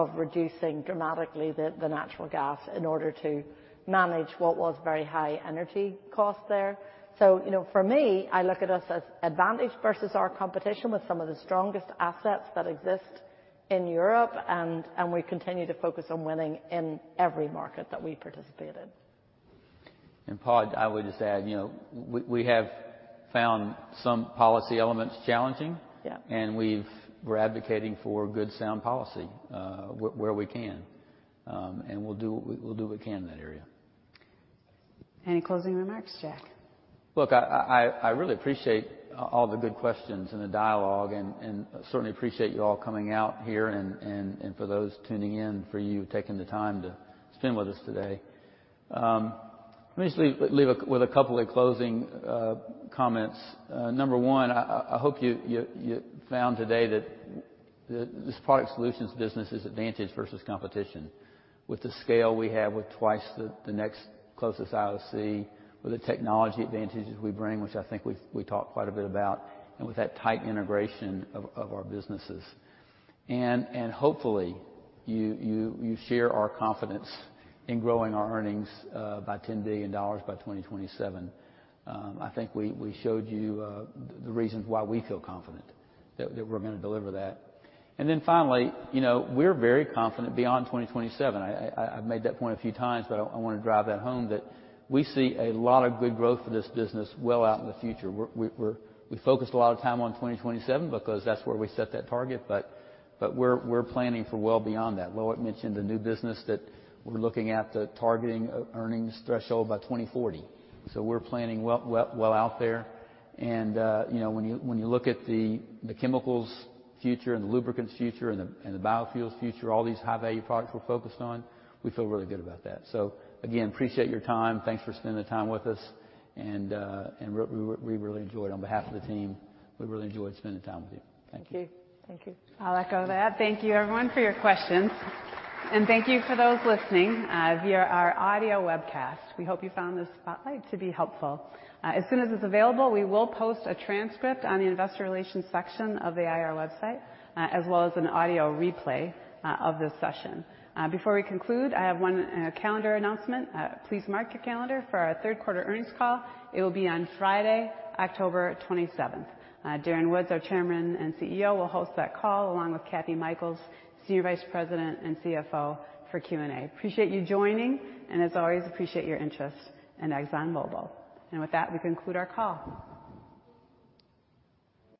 of reducing dramatically the natural gas in order to manage what was very high energy costs there. So, you know, for me, I look at us as advantaged versus our competition with some of the strongest assets that exist in Europe, and we continue to focus on winning in every market that we participate in. Paul, I would just add, you know, we have found some policy elements challenging. Yeah. We're advocating for good, sound policy, where we can. And we'll do what we can in that area. Any closing remarks, Jack? Look, I really appreciate all the good questions and the dialogue and certainly appreciate you all coming out here and for those tuning in, for you taking the time to spend with us today. Let me just leave with a couple of closing comments. Number one, I hope you found today that this product solutions business is advantage versus competition. With the scale we have, with twice the next closest IOC, with the technology advantages we bring, which I think we talked quite a bit about, and with that tight integration of our businesses. Hopefully, you share our confidence in growing our earnings by $10 billion by 2027. I think we showed you the reasons why we feel confident that we're gonna deliver that. Finally, you know, we're very confident beyond 2027. I, I've made that point a few times, but I wanna drive that home that we see a lot of good growth for this business well out in the future. We're, we focused a lot of time on 2027 because that's where we set that target, but we're planning for well beyond that. Loic mentioned a new business that we're looking at targeting the earnings threshold by 2040, so we're planning well, well, well out there. You know, when you look at the chemicals future and the lubricants future and the biofuels future, all these high-value products we're focused on, we feel really good about that. Again, appreciate your time. Thanks for spending the time with us, and we really enjoyed. On behalf of the team, we really enjoyed spending time with you. Thank you. Thank you. Thank you. I'll echo that. Thank you, everyone, for your questions. And thank you for those listening via our audio webcast. We hope you found this spotlight to be helpful. As soon as it's available, we will post a transcript on the investor relations section of the IR website, as well as an audio replay of this session. Before we conclude, I have one calendar announcement. Please mark your calendar for our third quarter earnings call. It will be on Friday, October twenty-seventh. Darren Woods, our Chairman and CEO, will host that call, along with Kathy Mikells, Senior Vice President and CFO for Q&A. Appreciate you joining, and as always, appreciate your interest in ExxonMobil. And with that, we conclude our call.